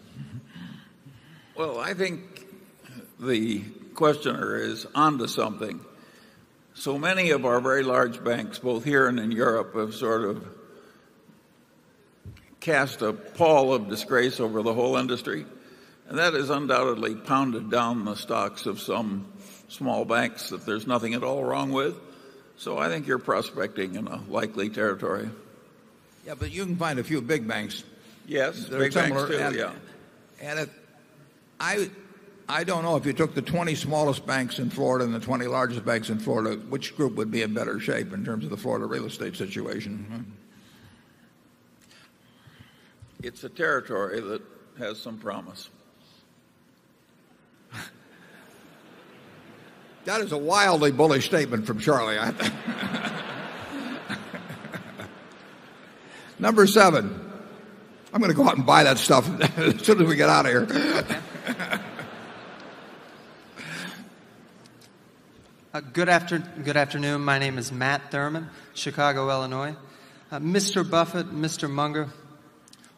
Well, I think the questioner is on to something. So many of our very large banks, both here and in Europe, have sort of cast a pall of disgrace over the whole industry. And that has undoubtedly pounded down the stocks of some small banks that there's nothing at all wrong with. So I think you're prospecting in a likely territory. Yeah. But you can find a few big banks. Yes. Big banks too. And I don't know if you took the 20 smallest banks in Florida and the 20 largest banks in Florida, which group would be in better shape in terms of the Florida real estate situation? It's a territory that has some promise. That is a wildly bullish statement from Charlie. Number 7, I'm going to go out and buy that stuff as soon as we get out of here. Good afternoon. My name is Matt Thurman, Chicago, Illinois. Mr. Buffet, Mr. Munger,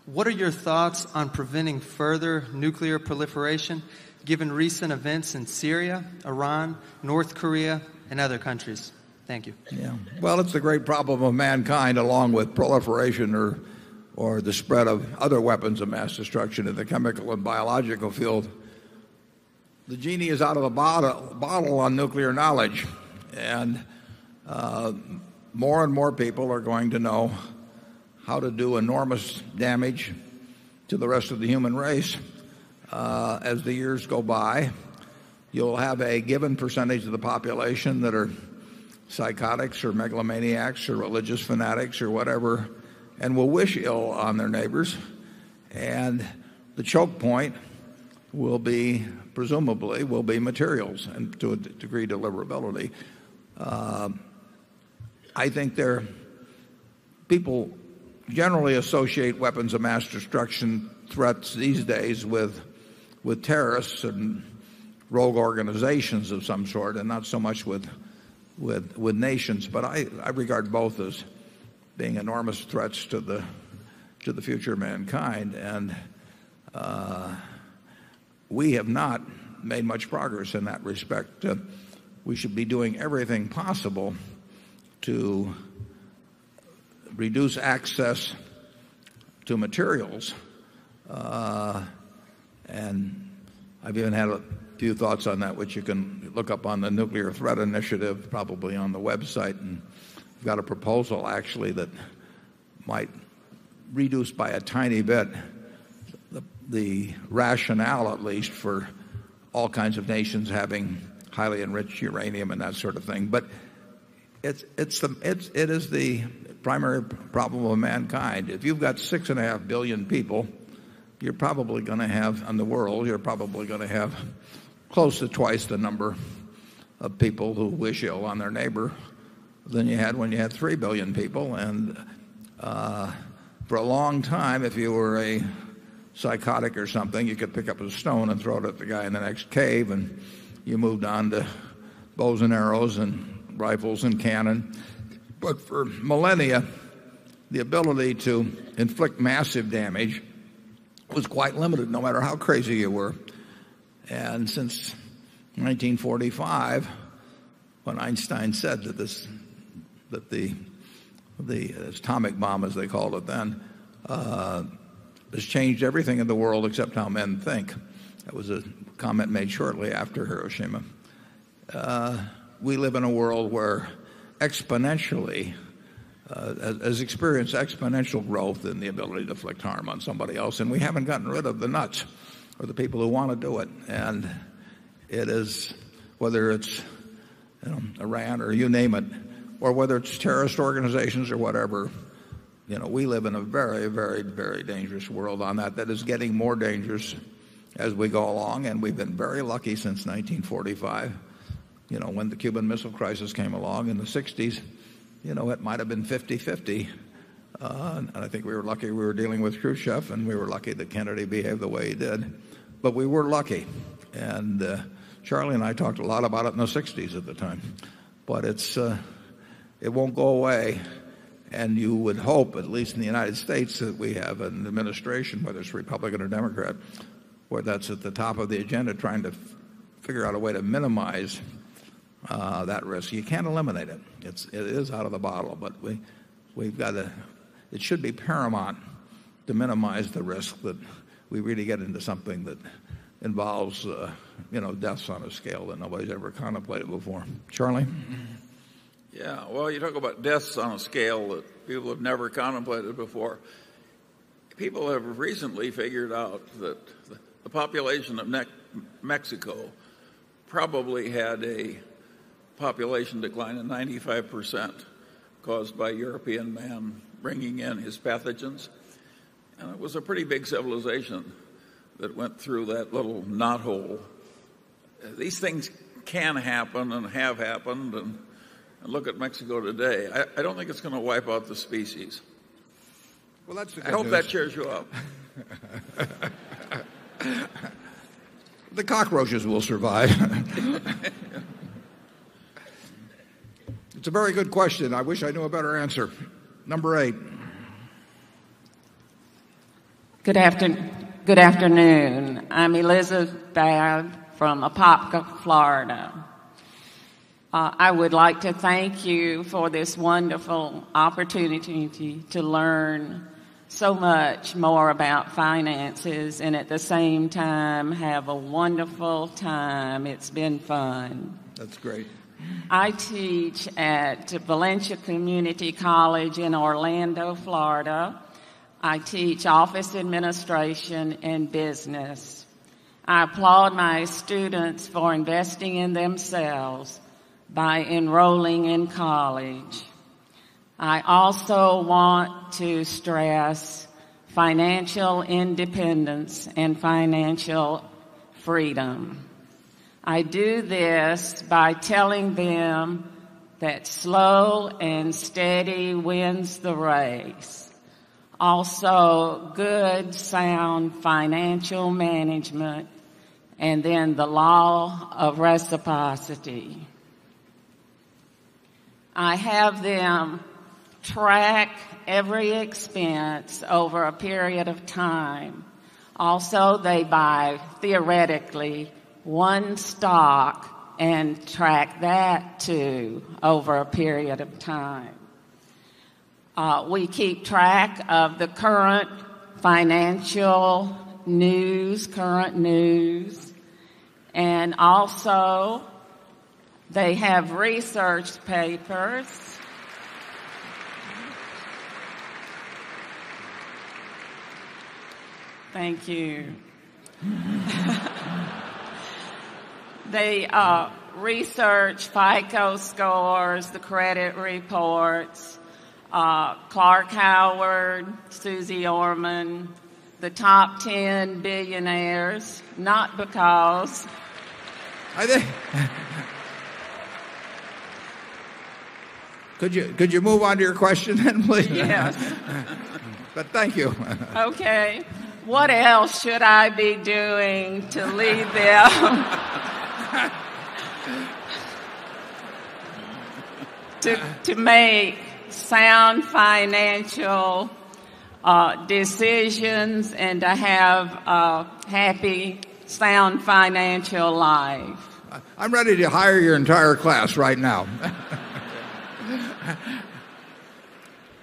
what are your thoughts on preventing further nuclear proliferation given recent events in Syria, Iran, North Korea, and other countries? Thank you. Yeah. Well, it's a great problem of mankind along with proliferation or or the spread of other weapons of mass destruction in the chemical and biological field. The genie is out of the bottle on nuclear knowledge. And, more and more people are going to know how to do enormous damage to the rest of the human race. As the years go by, you'll have a given percentage of the population that are psychotics or megalomaniacs or religious fanatics or whatever and will wish ill on their neighbors. And the choke point will be presumably will be materials and to a degree deliverability. I think there are people generally associate weapons of mass destruction threats these days with terrorists and rogue organizations of some sort and not so much with with with nations. But I I regard both as being enormous threats to the to the future of mankind. And, we have not made much progress in that respect. We should be doing everything possible to reduce access to materials. And I've even had a few thoughts on that which you can look up on the Nuclear Threat Initiative, probably on the website. And we've got a proposal actually that might reduce by a tiny bit the rationale at least for all kinds of nations having highly enriched uranium and that sort of thing. But it's it's it is the primary problem of mankind. If you've got 6,500,000,000 people, on the world, you're probably going to have close to twice the number of people who wish you on their neighbor than you had when you had 3,000,000,000 people. And, for a long time if you were a psychotic or something you could pick up a stone and throw it at the guy in the next cave and you moved on to bows and arrows and rifles and cannon. But for millennia, the ability to inflict massive damage was quite limited no matter how crazy you were. And since 1945, when Einstein said that this that the the atomic bomb as they called it then, has changed everything in the world except how men think. That was a comment made shortly after Hiroshima. We live in a world where exponentially has experienced exponential growth in the ability to inflict harm on somebody else, and we haven't gotten rid of the nuts or the people who want to do it. And it is whether it's Iran or you name it or whether it's terrorist organizations or whatever, We live in a very, very, very dangerous world on that. That is getting more dangerous as we go along and we've been very lucky since 1945 When the Cuban Missile Crisis came along in the 60s, it might have been fifty-fifty. And I think we were lucky we were dealing with Khrushchev and we were lucky that Kennedy behaved the way he did. But we were lucky. And Charlie and I talked a lot about it in the 60s at the time. But it's, it won't go away. And you would hope, at least in the United States, that we have an administration, whether it's Republican or Democrat, where that's at the top of the agenda trying to figure out a way to minimize, that risk. You can't eliminate it. It's it is out of the bottle, but we've got to it should be paramount to minimize the risk that we really get into something that involves deaths on a scale that nobody's ever contemplated before. Charlie? Yes. Well, you talk about deaths on a scale that people have never contemplated before. People have recently figured out that the population of Mexico probably had a population decline of 95% caused by European man bringing in his pathogens. It was a pretty big civilization that went through that little knothole. These things can happen and have happened. And look at Mexico today. I don't think it's going to wipe out the species. I hope that cheers you up. The cockroaches will survive. It's a very good question. I wish I knew a better answer. Number 8. Good afternoon. Good afternoon. I'm Elizabeth Baird from Apopka, Florida. I would like to thank you for this wonderful opportunity to learn so much more about finances and at the same time have a wonderful time. It's been fun. That's great. I teach at Valencia Community College in Orlando, Florida. I teach office administration and business. I applaud my students for investing in themselves by enrolling in college. I also want to stress financial independence and financial freedom. I do this by telling them that slow and steady wins the race. Also, good sound financial management and then the law of reciprocity. I have them track every expense over a period of time. Also, they buy theoretically one stock and track that to over a period of time. We keep track of the current financial news, current news and also they have researched papers. Thank you. They research FICO scores, the credit reports, Clark Howard, Susie Orman, the top 10 billionaires, not because Could you could you move on to your question then, please? Yes. But thank you. Okay. What else should I be doing to lead them? To to make sound financial decisions and to have a happy sound financial life. I'm ready to hire your entire class right now.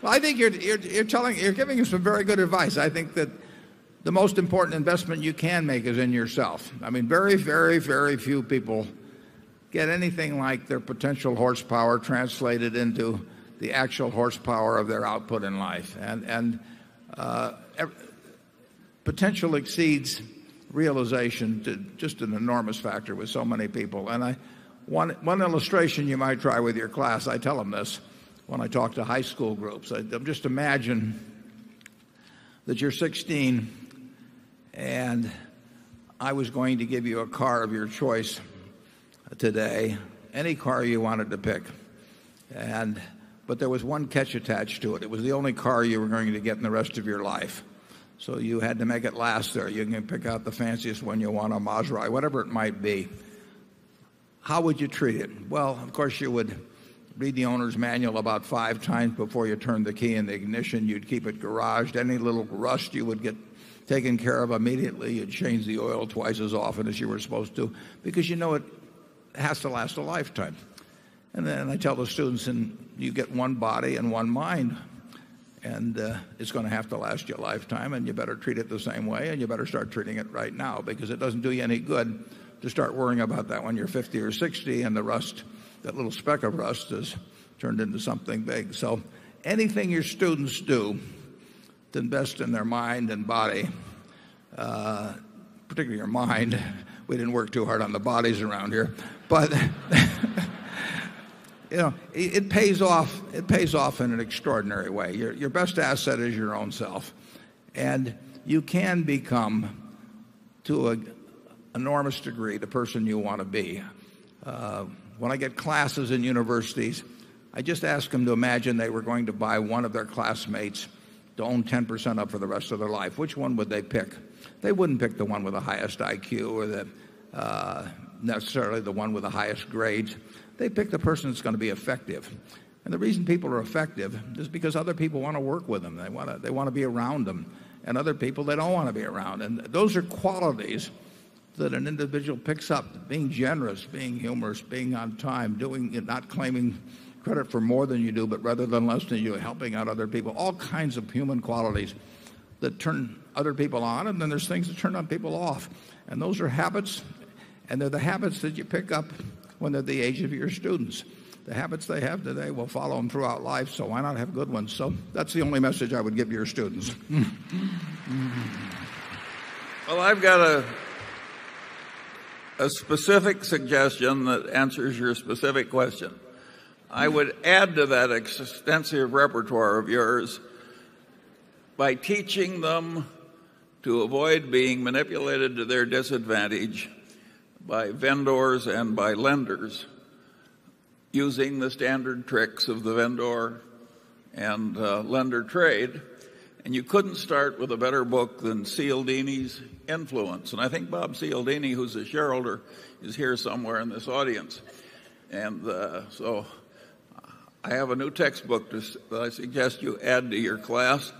Well, I think you're telling you're giving us some very good advice. I think that the most important investment you can make is in yourself. I mean, very, very, very few people get anything like their potential horsepower translated into the actual horsepower of their output in life. And potential exceeds realization to just an enormous factor with so many people. And I one illustration you might try with your class, I tell them this when I talk to high school groups. I just imagine that you're 16 and I was going to give you a car of your choice today, any car you wanted to pick. And but there was one catch attached to it. It was the only car you were going to get in the rest of your life. So you had to make it last there. You can pick out the fanciest one you want, a Mazrai, whatever it might be. How would you treat it? Well, of course, you would read the owner's manual about 5 times before you turn the key in the ignition. You'd keep it garaged. Any little rust you would get taken care of immediately. You'd change the oil twice as often as you were supposed to because you know it has to last a lifetime. And then I tell the students and you get one body and one mind and it's going to have to last you a lifetime and you better treat it the same way and you better start treating it right now because it doesn't do you any good to start worrying about that when you're 50 or 60 and the rust, that little speck of rust has turned into something big. So anything your students do to invest in their mind and body, particularly your mind. We didn't work too hard on the bodies around here. But it pays off in an extraordinary way. Your best asset is your own self. And you can become, to an enormous degree, the person you want to be. When I get classes in universities, I just ask them to imagine they were going to buy one of their classmates to own 10% up for the rest of their life. Which one would they pick? They wouldn't pick the one with the highest IQ or the necessarily the one with the highest grades. They pick the person that's going to be effective. The reason people are effective is because other people want to work with them. They want to be around them. And other people, they don't want to be around. And those are qualities that an individual picks up. Being generous, being humorous, being on time, doing and not claiming credit for more than you do, but rather than less than you're helping out other people, all kinds of human qualities that turn other people on. And then there's things that turn people off. And those are habits. And they're the habits that you pick up when they're the age of your students. The habits they have today will follow them throughout life, so why not have good ones. So that's the only message I would give your students. Well, I've got a specific suggestion that answers your specific question. I would add to that extensive repertoire of yours by teaching them to avoid being manipulated to their disadvantage by vendors and by lenders using the standard tricks of the vendor and, lender trade. And you couldn't start with a better book than Cialdini's influence. And I think Bob Cialdini, who's a shareholder, is here somewhere in this audience. And so I have a new textbook that I suggest you add to your class,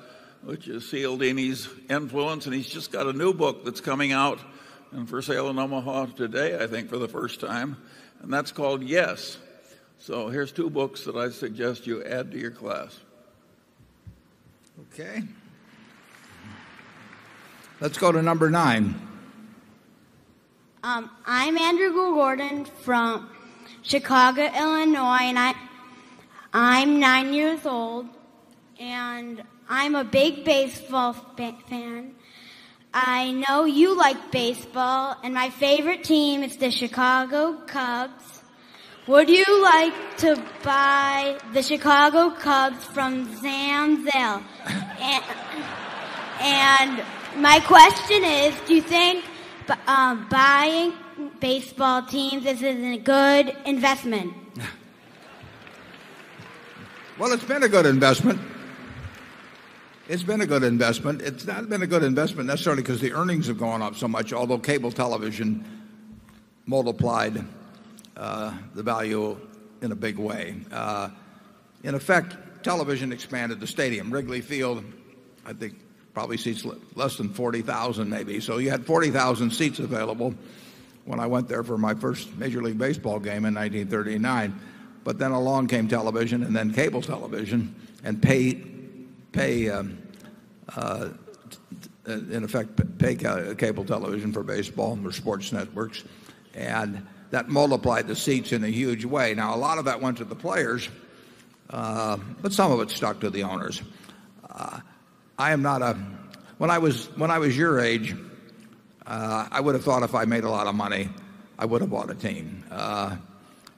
which is Ciel Dini's influence. And he's just got a new book that's coming out and for sale in Omaha today, I think for the first time and that's called Yes. So here's 2 books that I suggest you add to your class. Okay. Let's go to number 9. I'm Andrew Gordon from Chicago, Illinois. And I'm 9 years old, and I'm a big baseball fan. I know you like baseball, and my favorite team is the Chicago Cubs. Would you like to buy the Chicago Cubs from Zanzale? And my question is, do you think buying baseball teams is a good investment? Well, it's been a good investment. It's been a good investment. It's not been a good investment necessarily because the earnings have gone up so much, although cable television multiplied the value in a big way. In effect, television expanded the stadium. Wrigley Field, I think probably seats less than 40,000 maybe. So you had 40,000 seats available when I went there for my first Major League Baseball game in 1939. But then along came television and then cable television and pay in effect, pay cable television for baseball and for sports networks. And that multiplied the seats in a huge way. Now a lot of that went to the players, but some of it stuck to the owners. I am not a when I was your age, I would have thought if I made a lot of money, I would have bought a team.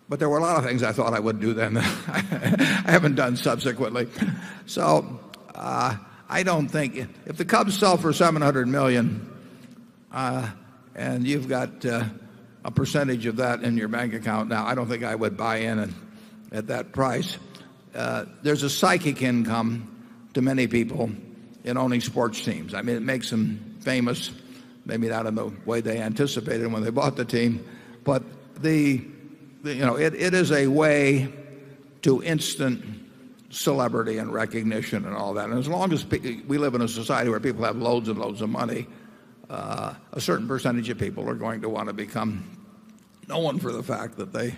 But there were a lot of things I thought I would do then. I haven't done subsequently. So I don't think if the Cubs sell for $700,000,000 and you've got a percentage of that in your bank account now. I don't think I would buy in at that price. There's a psychic income to many people in owning sports teams. I mean, it makes them famous, maybe not in the way they anticipated when they bought the team. But the you know, it is a way to instant celebrity and recognition and all that. And as long as we live in a society where people have loads and loads of money, a certain percentage of people are going to want to become no one for the fact that they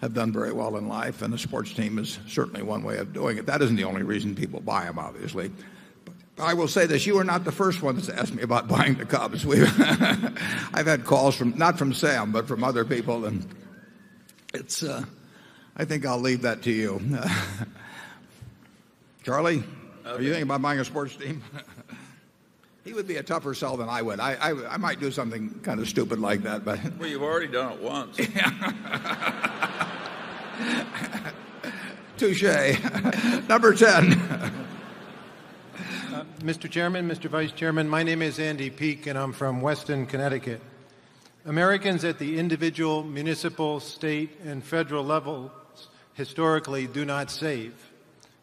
have done very well in life and the sports team is certainly one way of doing it. That isn't the only reason people buy them obviously. I will say this, you are not the first one to ask me about buying the Cubs. I've had calls from not from Sam, but from other people. And it's I think I'll leave that to you. Charlie, do you think about buying a sports team? He would be a tougher sell than I would. I might do something kind of stupid like that. Well, you've already done it once. Touche. Number 10. Mr. Chairman, Mr. Vice Chairman, my name is Andy Peek and I'm from Western Connecticut. Americans at the individual, municipal, state and federal level historically do not save.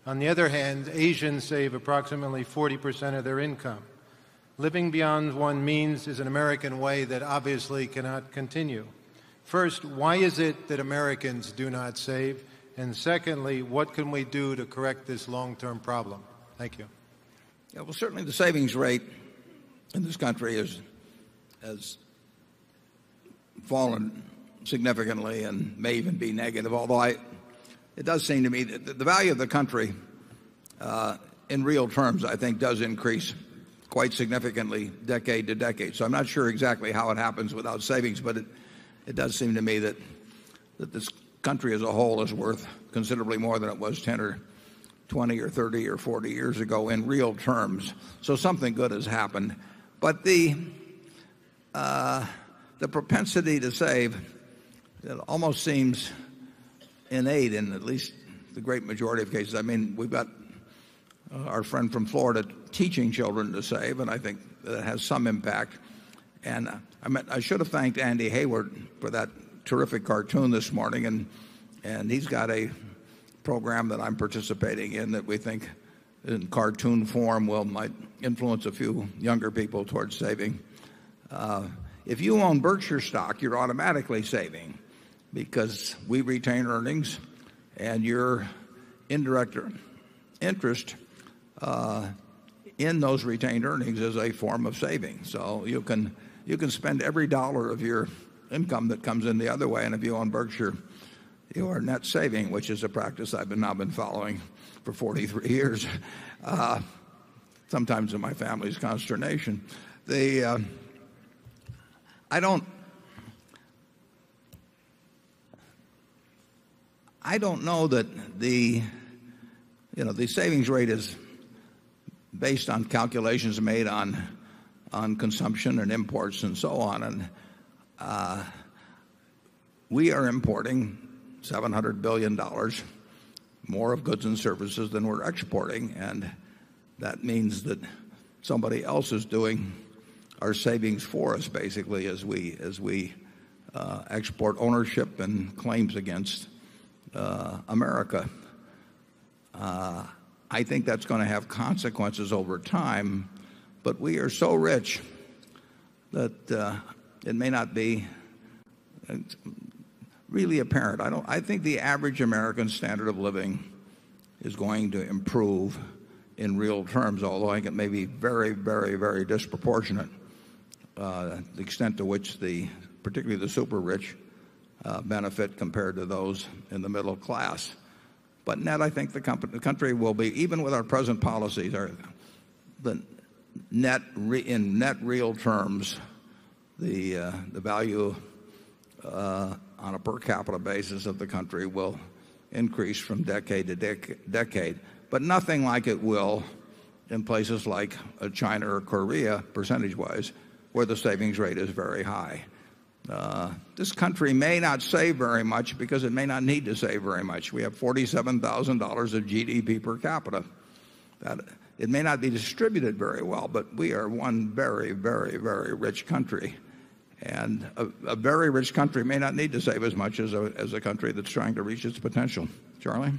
On the other hand, Asian save approximately 40% of their income. Living beyond one means is an American way that obviously cannot continue. First, why is it that Americans do not save? And secondly, what can we do to correct this long term problem? Thank you. Certainly, the savings rate in this country has fallen significantly and may even be negative. Although I it does seem to me that the value of the country in real terms I think does increase quite significantly decade to decade. So I'm not sure exactly how it happens without savings, but it does seem to me that this country as a whole is worth considerably more than it was 10 or 20 or 30 or 40 years ago in real terms. So something good has happened. But the propensity to save, it almost seems in aid in at least the great majority of cases. I mean, we've got our friend from Florida teaching children to save and I think that has some impact. And I meant I should have thanked Andy Hayward for that terrific cartoon this morning and he's got a program that I'm participating in that we think in cartoon form will might influence a few younger people towards saving. If you own Berkshire stock, you're automatically saving because we retain earnings and your indirect interest in those retained earnings as a form of savings. So you can spend every dollar of your income that comes in the other way. And if you own Berkshire, you are net saving, which is a practice I've been now been following for 43 years, sometimes in my family's consternation. The I don't know that the savings rate is based on calculations made on consumption and imports and so on. And we are importing $700,000,000,000 more of goods and services than we're exporting. And that means that somebody else is doing our savings for us basically as we export ownership and claims against America. I think that's going to have consequences over time, but we are so rich that it may not be really apparent. I don't I think the average American standard of living is going to improve in real terms, although I think it may be very, very, very disproportionate, the extent to which the particularly the super rich benefit compared to those in the middle class. But net, I think the country will be even with our present policies are the net in net real terms, the value on a per capita basis of the country will increase from decade to decade, but nothing like it will in places like China or Korea percentage wise where the savings rate is very high. This country may not say very much because it may not need to say very much. We have $47,000 of GDP per capita. It may not be distributed very well, but we are one very, very, very rich country. And a very rich country may not need to save as much as a country that's trying to reach its potential. Charlie?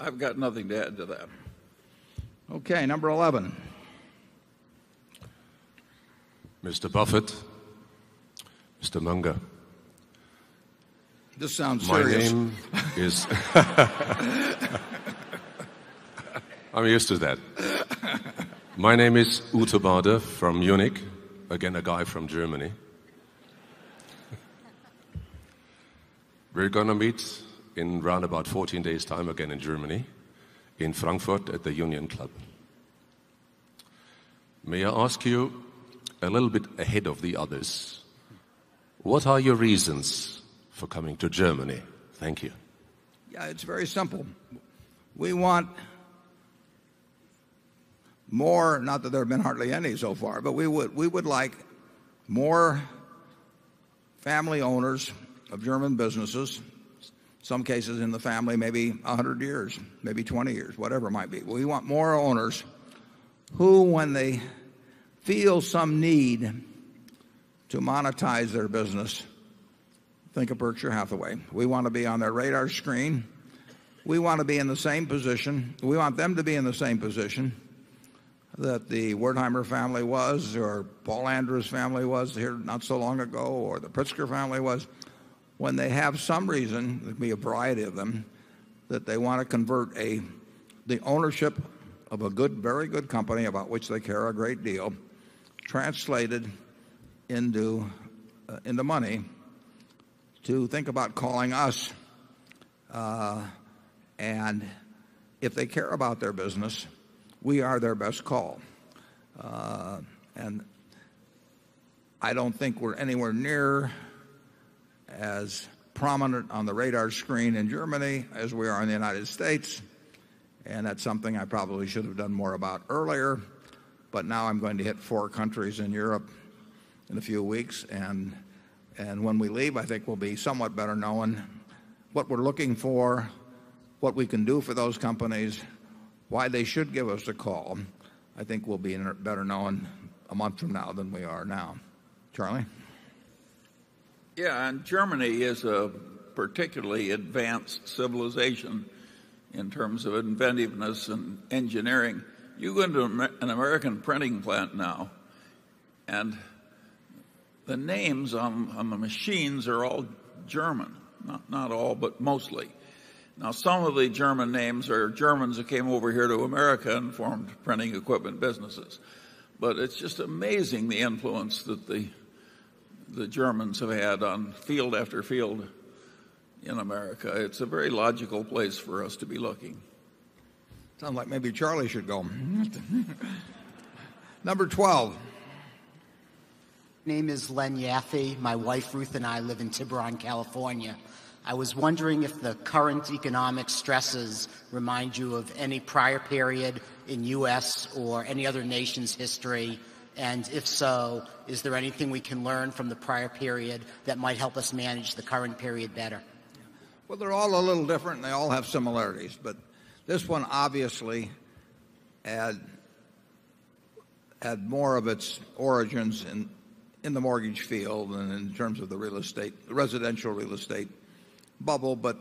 I've got nothing to add to that. Okay. Number 11. Mr. Buffet, Mr. Munger. This sounds serious. My name is I'm used to that. My name is Ute Baader from Munich, again a guy from Germany. We're going to meet in roundabout 14 days' time again in Germany in Frankfurt at the Union Club. May I ask you a little bit ahead of the others, what are your reasons for coming to Germany? Thank you. Yes. It's very simple. We want more not that there have been hardly any so far, but we would like more family owners of German businesses, some cases in the family, maybe 100 years, maybe 20 years, whatever it might be. We want more owners who, when they feel some need to monetize their business, think of Berkshire Hathaway. We want to be on their radar screen. We want to be in the same position. We want them to be in the same position that the Wertheimer family was or Paul Andres family was here not so long ago or the Pritzker family was. When they have some reason, it'd be a variety of them, that they want to convert a the ownership of a good very good company about which they care a great deal translated into money to think about calling us. And if they care about their business, we are their best call. And I don't think we're anywhere near as prominent on the radar screen in Germany as we are in the United States. And that's something I probably should have done more about earlier. But now I'm going to hit 4 countries in Europe in a few weeks. And when we leave, I think we'll be somewhat better known what we're looking for, what we can do for those companies, why they should give us a call. I think we'll be better known a month from now than we are now. Charlie? Yes. And Germany is a particularly advanced civilization in terms of inventiveness and engineering. You go into an American printing plant now and the names on the machines are all German, not all but mostly. Now some of the German names are Germans that came over here to America and formed printing equipment businesses. But it's just amazing the influence that the Germans have had on field after field in America. It's a very logical place for us to be looking. Sounds like maybe Charlie should go. Number 12. Name is Len Yaffe. My wife, Ruth, and I live in Tiburon, California. I was wondering if the current economic stresses remind you of any prior period in U. S. Or any other nation's history? And if so, is there anything we can learn from the prior period that might help us manage the current period better? Well, they're all a little different and they all have similarities. But this one obviously add more of its origins in the mortgage field and in terms of the real estate residential real estate bubble. But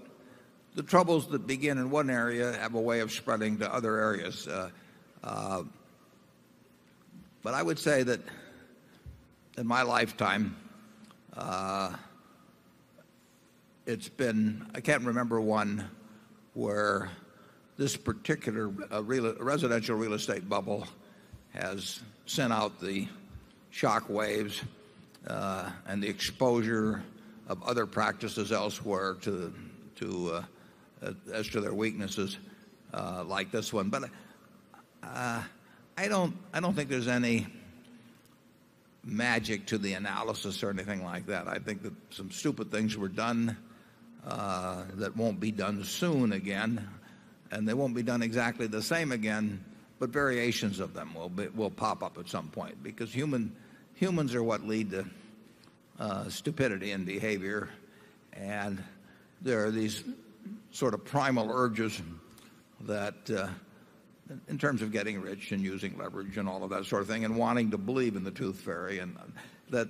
the troubles that begin in one area have a way of spreading to other areas. But I would say that in my lifetime, it's been I can't remember one where this particular residential real estate bubble has sent out the shock waves and the exposure of other practices elsewhere to as to their weaknesses like this one. But I don't think there's any magic to the analysis or anything like that. I think that some stupid things were done that won't be done soon again And they won't be done exactly the same again, but variations of them will pop up at some point because humans are what lead to stupidity and behavior. And there are these sort of primal urges that in terms of getting rich and using leverage and all of that sort of thing and wanting to believe in the tooth fairy and that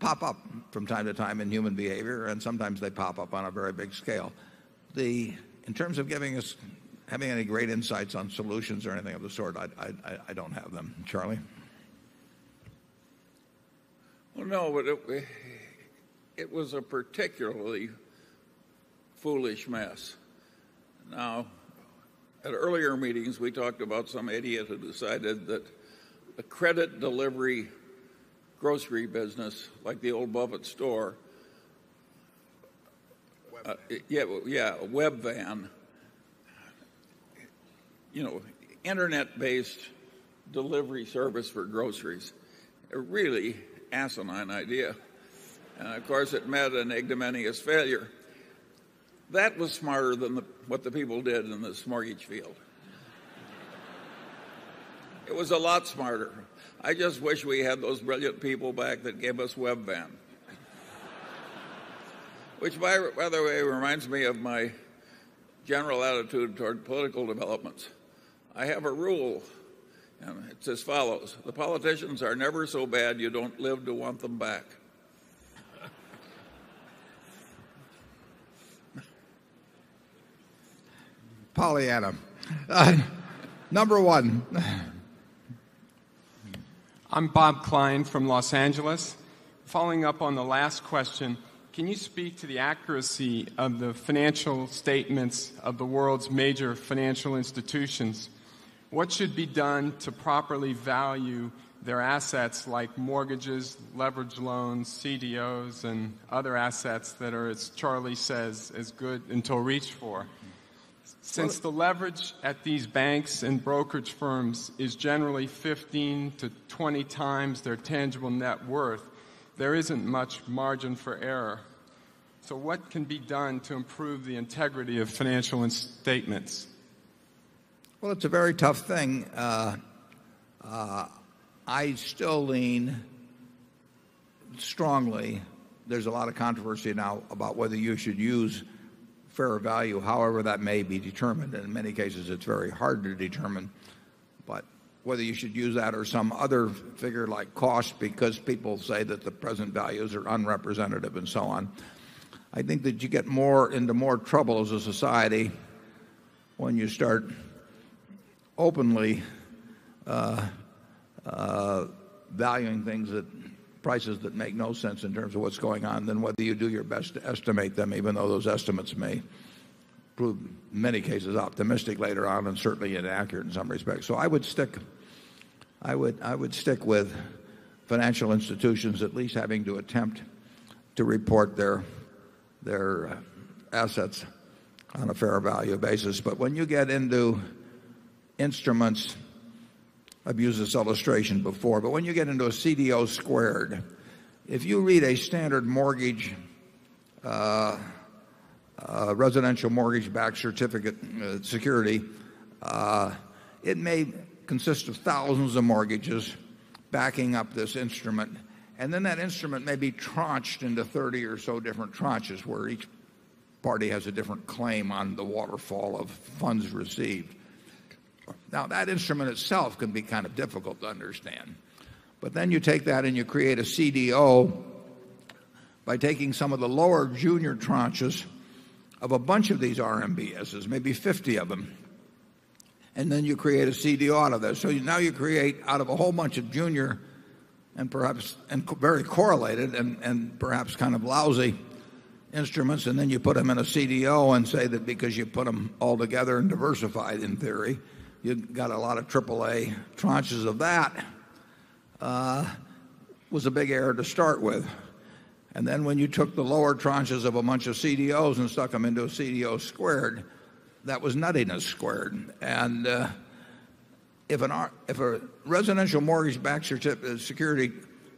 pop up from time to time in human behavior and sometimes they pop up on a very big scale. The in terms of giving us having any great insights on solutions or anything of the sort I don't have them. Charlie? Well, no. It was a particularly foolish mess. Now, at earlier meetings, we talked about some idiot who decided that the credit delivery grocery business like the old Bubba store, yes, web van, you know, Internet based delivery service for groceries, a really asinine idea. Of course, it met an ignominious failure. That was smarter than what the people did in this mortgage field. It was a lot smarter. I just wish we had those brilliant people back that gave us Webvan, Which by the way reminds me of my general attitude toward political developments. I have a rule and it's as follows. The politicians are never so bad, you don't live to want them back. Pollyanna, number 1. I'm Bob Klein from Los Angeles. Following up on the last question, can you speak to the accuracy of the financial statements of the world's major financial institutions? What should be done to properly value their assets like mortgages, leverage loans, CDOs and other assets that are as Charlie says is good until reach for. Since the leverage at these banks and brokerage firms is generally 15 to 20 times their tangible net worth, there isn't much margin for error. So what can be done to improve the integrity of financial statements? Well, it's a very tough thing. I still lean strongly. There's a lot of controversy now about whether you should use fair value, however, that may be determined. And in many cases, it's very hard to determine. But whether you should use that or some other figure like cost because people say that the present values are unrepresentative and so on. I think that you get more into more trouble as a society when you start openly valuing things at prices that make no sense in terms of what's going on, then what do you do your best to estimate them even though those estimates may prove in many cases optimistic later on and certainly inaccurate in some respects. So I would stick I would stick with financial institutions at least having to attempt to report their assets on a fair value basis. But when you get into instruments, I've used this illustration before, but when you get into a CDO squared, if you read a standard mortgage residential mortgage backed certificate security, it may consist of 1,000 of mortgages backing up this instrument. And then that instrument may be tranched into 30 or so different tranches where each party has a different claim on the waterfall of funds received. Now that instrument itself can be kind of difficult to understand. But then you take that and you create a CDO by taking some of the lower junior tranches of a bunch of these RMBSs, maybe 50 of them. And then you create a CDR out of this. So now you create out of a whole bunch of junior and perhaps and very correlated and perhaps kind of lousy instruments and then you put them in a CDO and say that because you put them all together and diversified in theory, you've got a lot of AAA tranches of that. Was a big error to start with. And then when you took the lower tranches of a bunch of CDOs and stuck them into a CDO squared, that was nuttiness squared. And if a residential mortgage backed security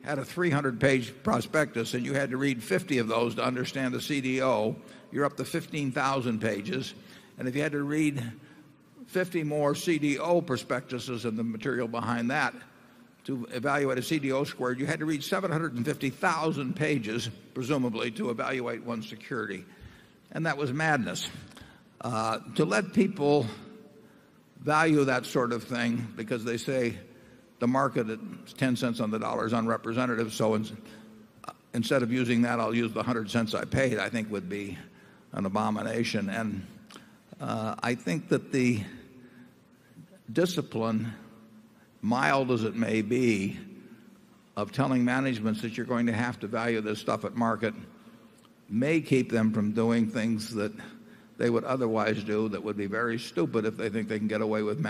had a 300 page prospectus and you had to read 50 of those to understand the CDO, you're up to 15,000 pages. And if you had to read 50 more CDO prospectuses and the material behind that to evaluate a CDO squared, you had to reach 750,000 pages presumably to evaluate one security. And that was madness. To let people value that sort of thing because they say the market is $0.10 on the dollar is unrepresentative. So instead of using that, I'll use the $0.100 I paid, I think, would be an abomination. And I think that the discipline, mild as it may be, of telling managements that you're going to have to value this stuff at market may keep them from doing things that they would otherwise do that would be very stupid if they think they can get away with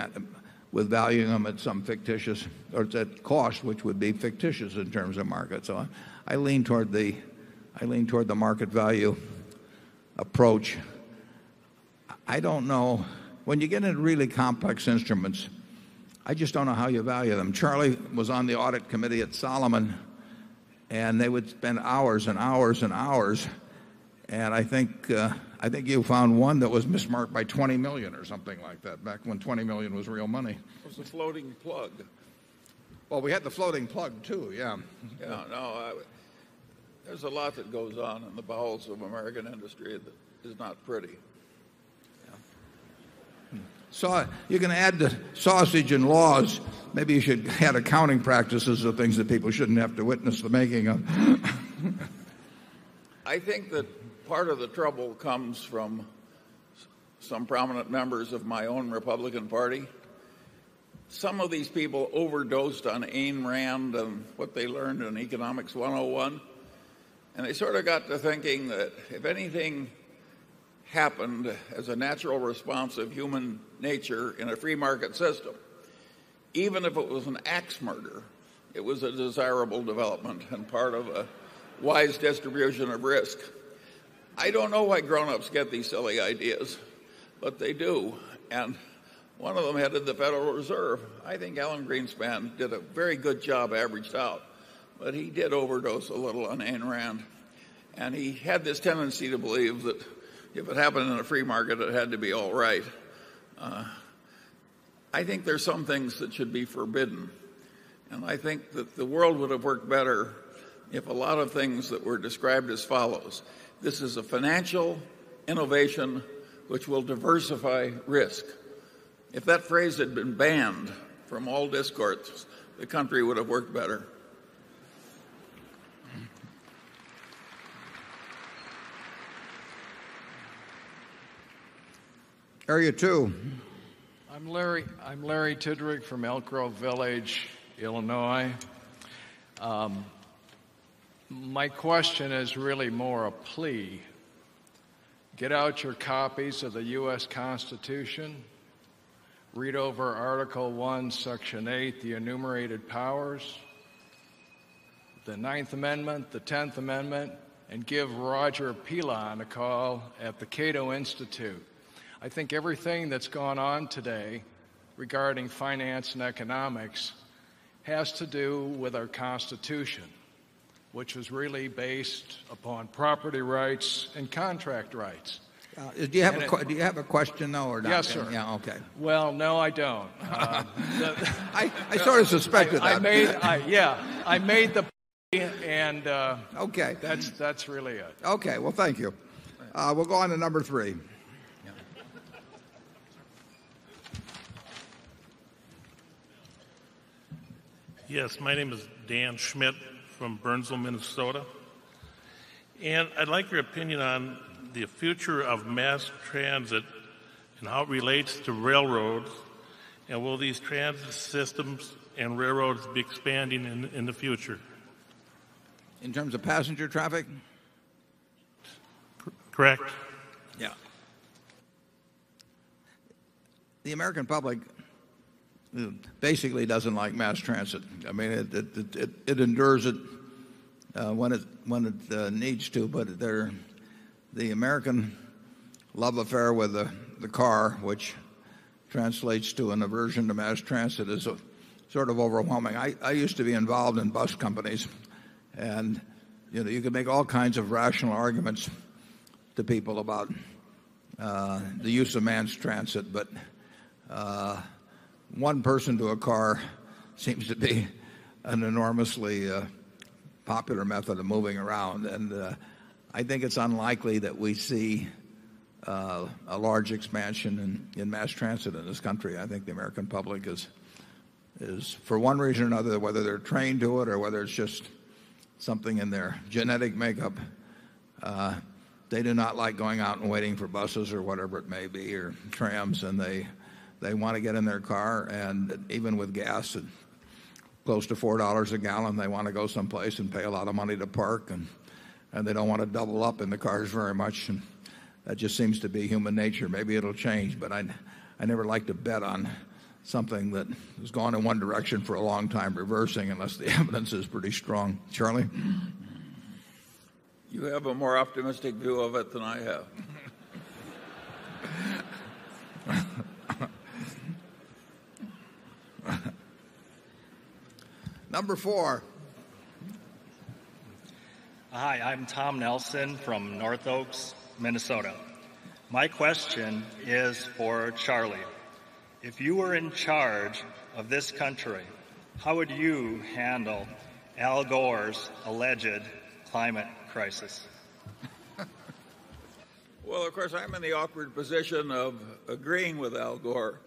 valuing them at some fictitious or at cost, which would be fictitious in terms of market. So I lean toward the I lean toward the market value approach. I don't know when you get into really complex instruments, I just don't know how you value them. Charlie was on the audit committee at Salomon, and they would spend hours and hours and hours. And I think you found one that was mismarked by $20,000,000 or something like that back when $20,000,000 was real money. It was the floating plug. Well, we had the floating plug too, yes. No. There's a lot that goes on in the bowels of American industry that is not pretty. So you can add the sausage and laws. Maybe you should add accounting practices of things that people shouldn't have to witness the making of. I think that part of the trouble comes from some prominent members of my own Republican Party. Some of these people overdosed on Ayn Rand and what they learned in Economics 101. And they sort of got to thinking that if anything happened as a natural response of human nature in a free market system, even if it was an ax murder, it was a desirable development and part of a wise distribution of risk. I don't know why grown ups get these silly ideas, but they do. And one of them headed the Federal Reserve. I think Alan Greenspan did a very good job averaged out, but he did overdose a little on Ayn Rand. And he had this tendency to believe that if it happened in a free market, it had to be all right. I think there's some things that should be forbidden. And I think that the world would have worked better if a lot of things that were described as follows. This is a financial innovation which will diversify risk. If that phrase had been banned from all discourses, the country would have worked better. Area 2. I'm Larry I'm Larry Tidrick from Elk Grove village Illinois. My question is really more a plea. Get out your copies of the US constitution. Read over article 1 section 8 the enumerated powers, the 9th amendment, the 10th amendment and give Roger Pilon a call at the Cato Institute. I think everything that's gone on today regarding finance and economics has to do with our constitution, which is really based upon property rights and contract rights. Do you have a question now or not? Yes, sir. Yes, okay. Well, no, I don't. I sort of suspected that. I made the and that's really it. Okay. Well, thank you. We'll go on to number 3. Yes, my name is Dan Schmidt from Burnsville, Minnesota. And I'd like your opinion on the future of mass transit and how it relates to railroads. And will these transit systems and railroads be expanding in the future? In terms of passenger traffic? Correct. Yes. The American public basically doesn't like mass transit. I mean, it endures it when it needs to, but there the American love affair with the car, which translates to an aversion to mass transit is a sort of overwhelming. I used to be involved in bus companies and you can make all kinds of rational arguments to people about the use of man's transit, but one person to a car seems to be an enormously popular method of moving around. And I think it's unlikely that we see a large expansion in mass transit in this country. I think the American public is for one reason or another, whether they're trained to it or whether it's just something in their genetic makeup, They do not like going out and waiting for buses or whatever it may be or trams, and they want to get in their car. And even with gas, close to $4 a gallon, they want to go someplace and pay a lot of money to park and they don't want to double up in the cars very much. And that just seems to be human nature. Maybe it'll change, but I never like to bet on something that has gone in one direction for a long time reversing unless the evidence is pretty strong. Charlie? You have a more optimistic view of it than I have. Number 4. Hi. I'm Tom Nelson from North Oaks, Minnesota. My question is for Charlie. If you were in charge of this country, how would you handle Al Gore's alleged climate crisis? Well, of course, I'm in the awkward position of agreeing with Al Gore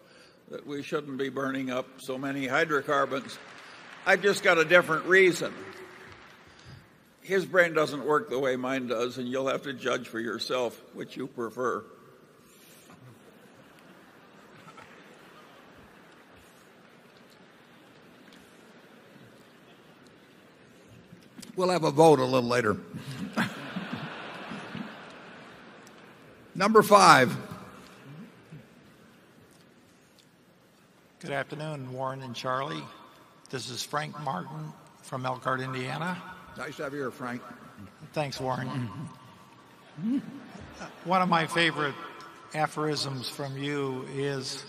that we shouldn't be burning up so many hydrocarbons. I've just got a different reason. His brand doesn't work the way mine does, and you'll have to judge for yourself what you prefer. We'll have a vote a little later. Number 5. Good afternoon, Warren and Charlie. This is Frank Martin from Elkhart, Indiana. Nice to have you here, Frank. Thanks, Warren. One of my favorite aphorisms from you is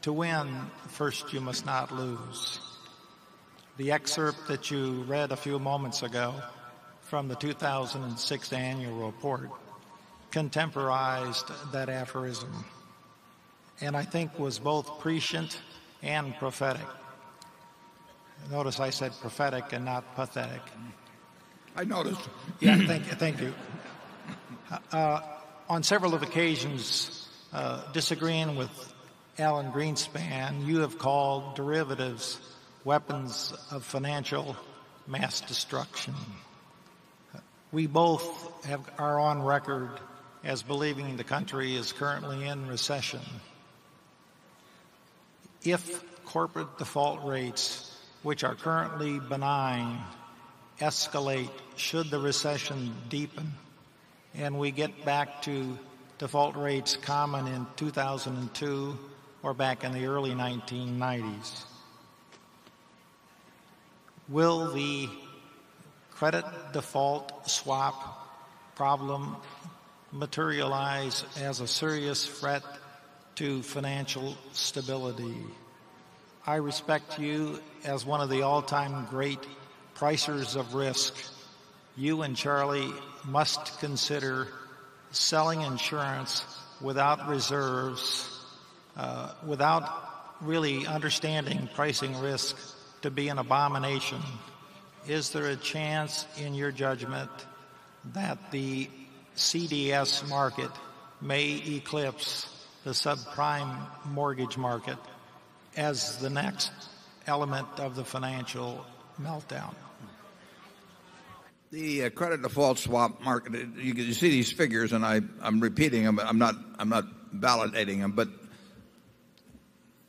to win, first you must not lose. The excerpt that you read a few moments ago from the 2006 annual report contemporized that aphorism and I think was both prescient and prophetic. Notice I said prophetic and not pathetic. I noticed. Yes. Thank you. On several occasions disagreeing with Alan Greenspan, you have called derivatives weapons of financial mass destruction. We both are on record as believing the country is currently in recession. If corporate default rates, which are currently benign, escalate should the recession deepen and we get back to default rates common in 2002 or back in the early 1990s? Will the credit default swap problem materialize as a serious threat to financial stability. I respect you as one of the all time great pricers of risk. You and Charlie must consider selling insurance without reserves, without really understanding pricing risk to be an abomination. Is there a chance in your judgment that the CDS market may eclipse the subprime mortgage market as the next element of the financial meltdown? The credit default swap market, you can see these figures and I'm repeating them, but I'm not validating them. But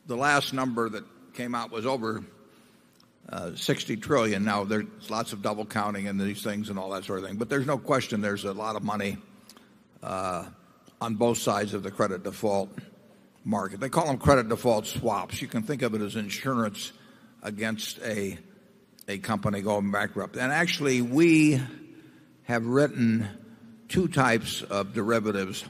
the last number that came out was over $60,000,000,000,000 Now there's lots of double counting and these things and all that sort of thing. But there's no question there's a lot of money on both sides of the credit default market. They call them credit default swaps. You can think of it as insurance against a company going bankrupt. And actually, we have written 2 types of derivatives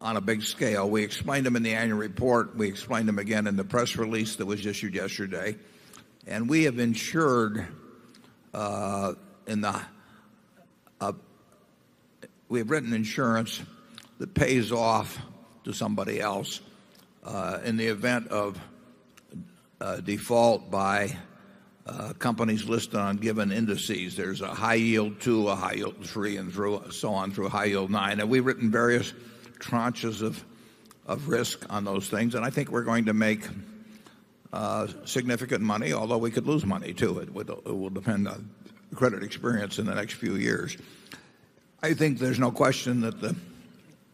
on a big scale. We explained them in the annual report. We explained them again in the press release that was issued yesterday. And we have ensured in the we have written insurance that pays off to somebody else in the event of default by companies listed on given indices. There's a high yield 2, a high yield 3 and through so on through high yield 9. And we've written various tranches of risk on those things. And I think we're going to make significant money, although we could lose money to it. It will depend on credit experience in the next few years. I think there's no question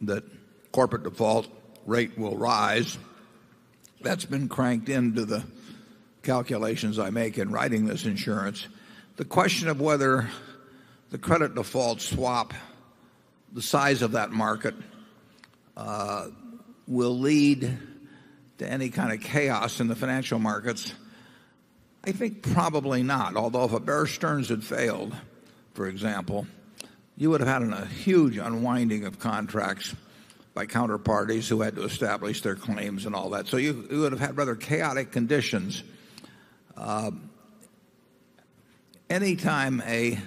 that corporate default rate will rise. That's been cranked into the calculations I make in writing this insurance. The question of whether the credit default swap, the size of that market will lead to any kind of chaos in the financial markets? I think probably not. Although if a Bear Stearns had failed, for example, you would have had a huge unwinding of contracts by counterparties who had to establish their claims and all that. So you would have had rather chaotic conditions. Anytime a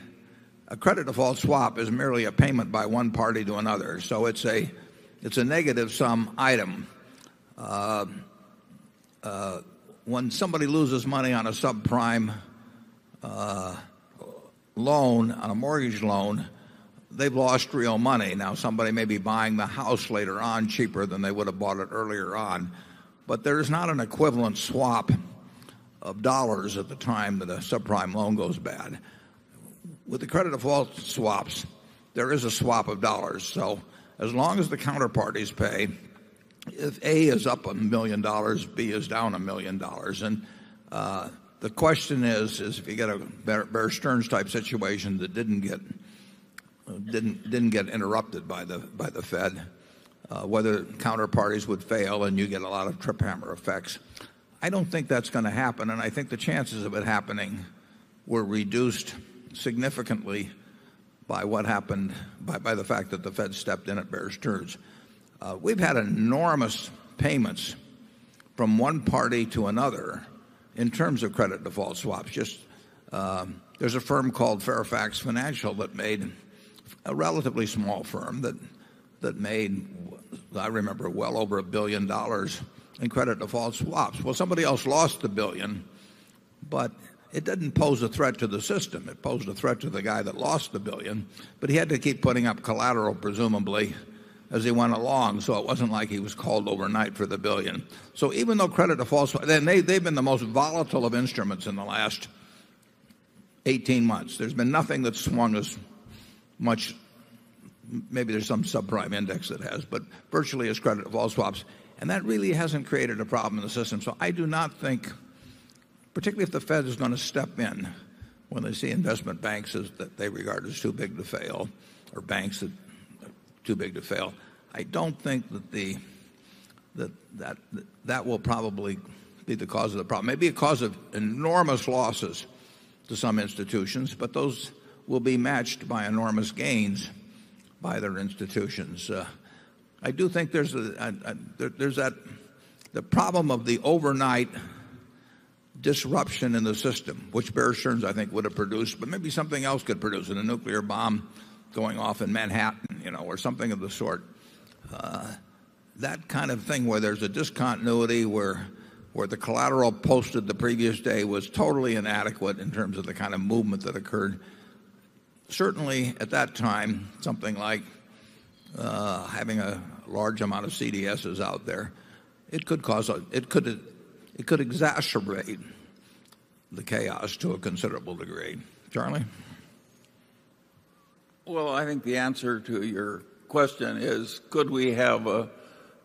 credit default swap is merely a payment by one party to another. So it's a negative sum item. When somebody loses money on a subprime loan on a mortgage loan, they've lost real money. Now somebody may be buying the house later on cheaper than they would have bought it earlier on, but there is not an equivalent swap of dollars at the time that a subprime loan goes bad. With the credit default swaps, there is a swap of dollars. So as long as the counterparties pay, if A is up $1,000,000 B is down $1,000,000 And the question is, is if you get a Bear Stearns type situation that didn't get interrupted by the Fed, whether counterparties would fail and you get a lot of trip hammer effects. I don't think that's going to happen and I think the chances of it happening were reduced significantly by what happened by the fact that the Fed stepped in at bears' turns. We've had enormous payments from one party to another in terms of credit default swaps. Just there's a firm called Fairfax Financial that made a relatively small firm that made I remember well over $1,000,000,000 in credit default swaps. Well somebody else lost $1,000,000,000 but it didn't pose a threat to the system. It posed a threat to the guy that lost $1,000,000,000 but he had to keep putting up collateral presumably as he went along. So it wasn't like he was called overnight for the billion. So even though credit defaults they've been most volatile of instruments in the last 18 months. There's been nothing that's one as much maybe there's some subprime index that has, but virtually as credit evolves and that really hasn't created a problem in the system. So I do not think particularly if the Fed is going to step in when they see investment banks is that they regard as too big to fail or banks that are too big to fail. I don't think that that will probably be the cause of the problem, maybe a cause of enormous losses to some institutions, but those will be matched by enormous gains by their institutions. I do think there's that the problem of the overnight disruption in the system, which Bear Stearns I think would have produced, but maybe something else could produce in a nuclear bomb going off in Manhattan or something of the sort. That kind of thing where there's a discontinuity where the collateral posted the previous day was totally inadequate in terms of the kind of movement that occurred. Certainly at that time something like having a large amount of CDSs out there it could cause it could exacerbate the chaos to a considerable degree. Charlie? Well, I think the answer to your question is could we have a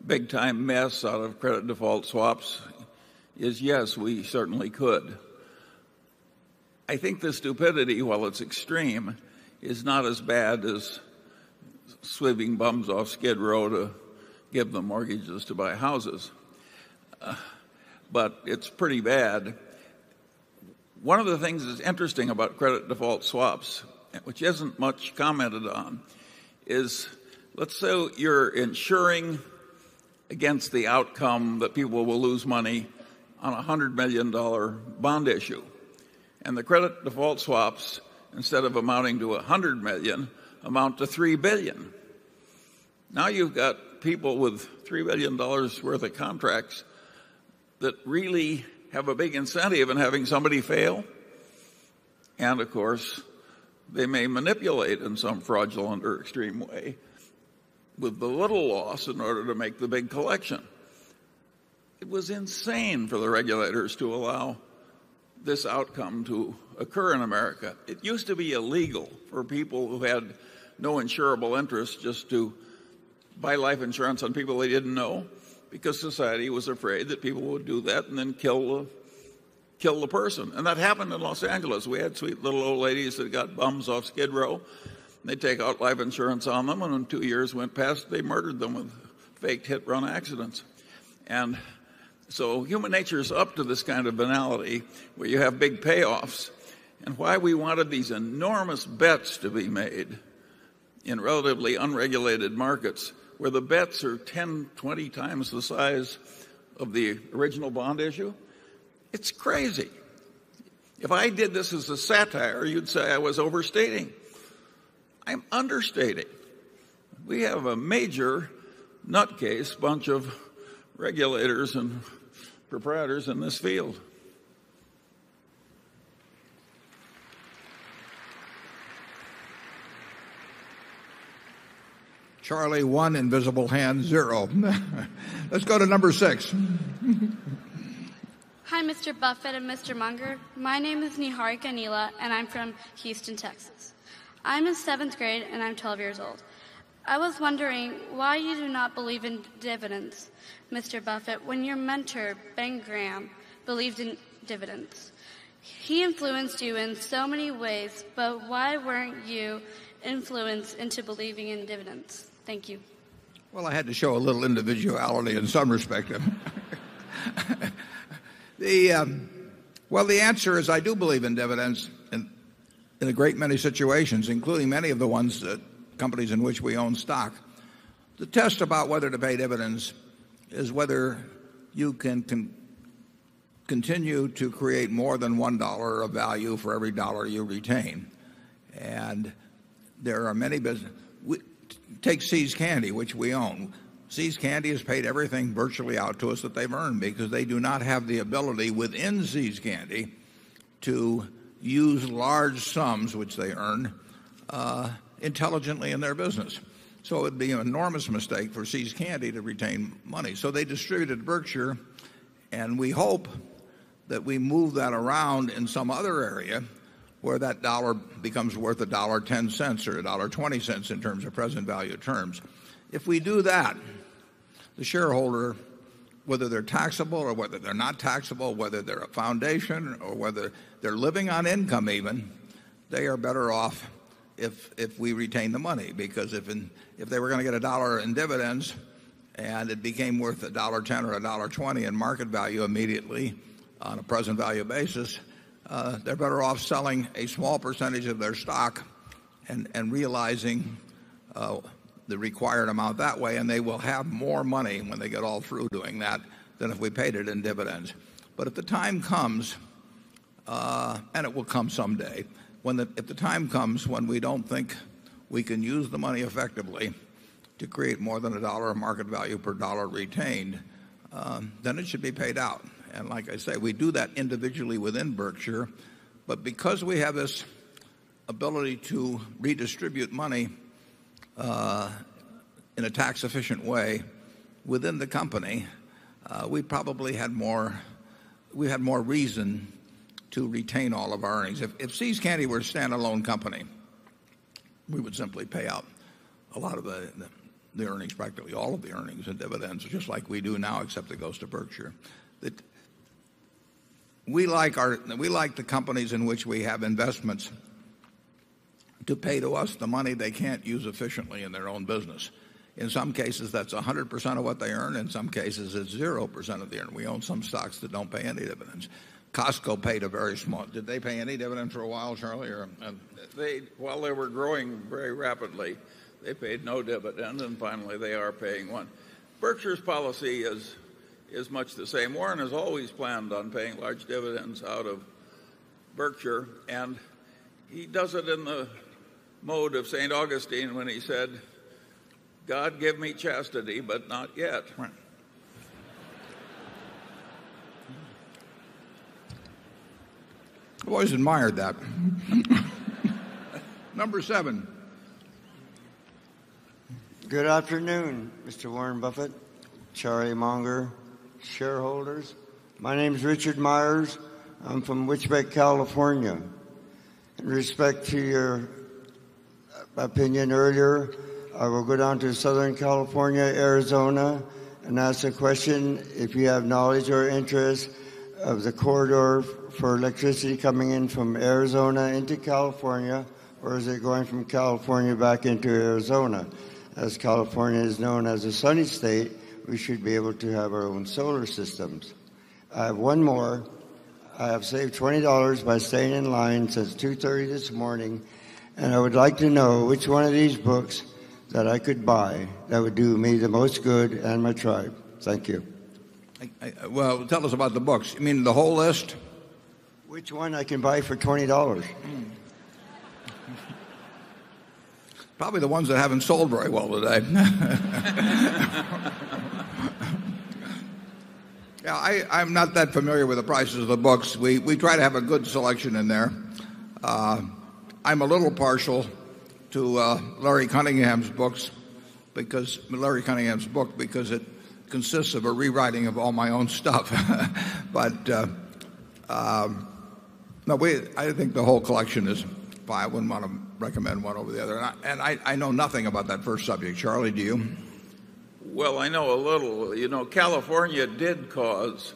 big time mess out of credit default swaps is yes, we certainly could. I think the stupidity, while it's extreme, is not as bad as sweeping bums off skid row to give them mortgages to buy houses, but it's pretty bad. One of the things that's interesting about credit default swaps, which isn't much commented on is let's say you're insuring against the outcome that people will lose money on a $100,000,000 bond issue the credit default swaps instead of amounting to $100,000,000 amount to $3,000,000,000 Now you've got people with $3,000,000,000 worth of contracts that really have a big incentive in having somebody fail. And of course, they may manipulate in some fraudulent or extreme way with the little loss in order to make the big collection. It was insane for the regulators to allow this outcome to occur in America. It used to be illegal for people who had no insurable interest just to buy life insurance on people they didn't know because society was afraid that people would do that and then kill the person. And that happened in Los Angeles. We had sweet little old ladies that got bums off Skid Row. They take out life insurance on them. And in 2 years went past, they murdered them with faked hit run accidents. And so human nature is up to this kind of banality where you have big payoffs and why we wanted these enormous bets to be made in relatively unregulated markets where the bets are 10, 20 times the size of the original bond issue? It's crazy. If I did this as a satire, you'd say I was overstating. I'm understating. We have a major nutcase bunch of regulators and proprietors in this field. I was wondering why you do not believe in dividends, mister Buffet, when your mentor, Ben Graham, believed in dividends. He influenced you in so many ways, but why weren't you influenced into believing in dividends? Thank you. Well, I had to show a little individuality in some respect. The well, the answer is I do believe in dividends in a great many situations, including many of the ones that companies in which we own stock. The test about whether to pay dividends is whether you can continue to create more than $1 of value for every dollar you retain. And there are many business take See's Candy, which we own. See's Candy has paid everything virtually to us that they've earned because they do not have the ability within C's Candy to use large sums, which they earn intelligently in their business. So it would be an enormous mistake for See's Candy to retain money. So they distributed Berkshire and we hope that we move that around in some other area where that dollar becomes worth $1.10 or $1.20 in terms of present value terms. If we do that, the shareholder, whether they're taxable or whether they're not taxable, whether they're a foundation or whether they're living on income even, they are better off if we retain the money because if they were going to get a dollar in dividends and it became worth $1.10 or $1.20 in market value immediately on a present value basis, they're better off selling a small percentage of their stock and realizing the required amount that way and they will have more money when they get all through doing that than if we paid it in dividends. But if the time comes and it will come someday when the if the time comes when we don't think we can use the money effectively to create more than $1 of market value per dollar retained, then it should be paid out. And like I say, we do that individually within Berkshire. But because we have this ability to redistribute money in a tax efficient way within the company, we probably had more reason to retain all of our earnings. If See's Candy were a standalone company, we would simply pay out a lot of the earnings practically, all of the earnings and dividends are just like we do now except it goes to Berkshire. We like our we like the companies in which we have investments to pay to us the money they can't use efficiently in their own business. In some cases, that's 100% of what they earn. In some cases, it's 0% of the year. And we own some stocks that don't pay any dividends. Costco paid a very small did they pay any dividends for a while, Charlie? While they were growing very rapidly, they paid no dividend. And finally, they are paying 1. Berkshire's policy is much the same. Warren has always planned on paying large dividends out of Berkshire. And I've always admired that. Number 7. Good afternoon, Mr. Warren Buffett, Charlie Munger, shareholders. My name is Richard Myers. I'm from Wichebeck, California. In respect to your opinion earlier, I will go down to Southern California, Arizona, and ask a question if you have knowledge or interest of the corridor for electricity coming in from Arizona into California, or is it going from California back into Arizona? As California is known as a sunny state, we should be able to have our own solar systems. I have one more. I have saved $20 by staying in line since 2:30 this morning. And I would like to know which one of these books that I could buy that would do me the most good and my tribe. Thank you. Well, tell us about the books. You mean the whole list? Which one I can buy for $20 Probably the ones that haven't sold very well today. Yeah. I'm not that familiar with the prices of the books. We try to have a good selection in there. I'm a little partial to Larry Cunningham's books because Larry Cunningham's book because it consists of a rewriting of all my own stuff. But I think the whole collection is fine. I wouldn't want to recommend one over the other. And I know nothing about that first subject. Charlie, do you? Well, I know a little. California did cause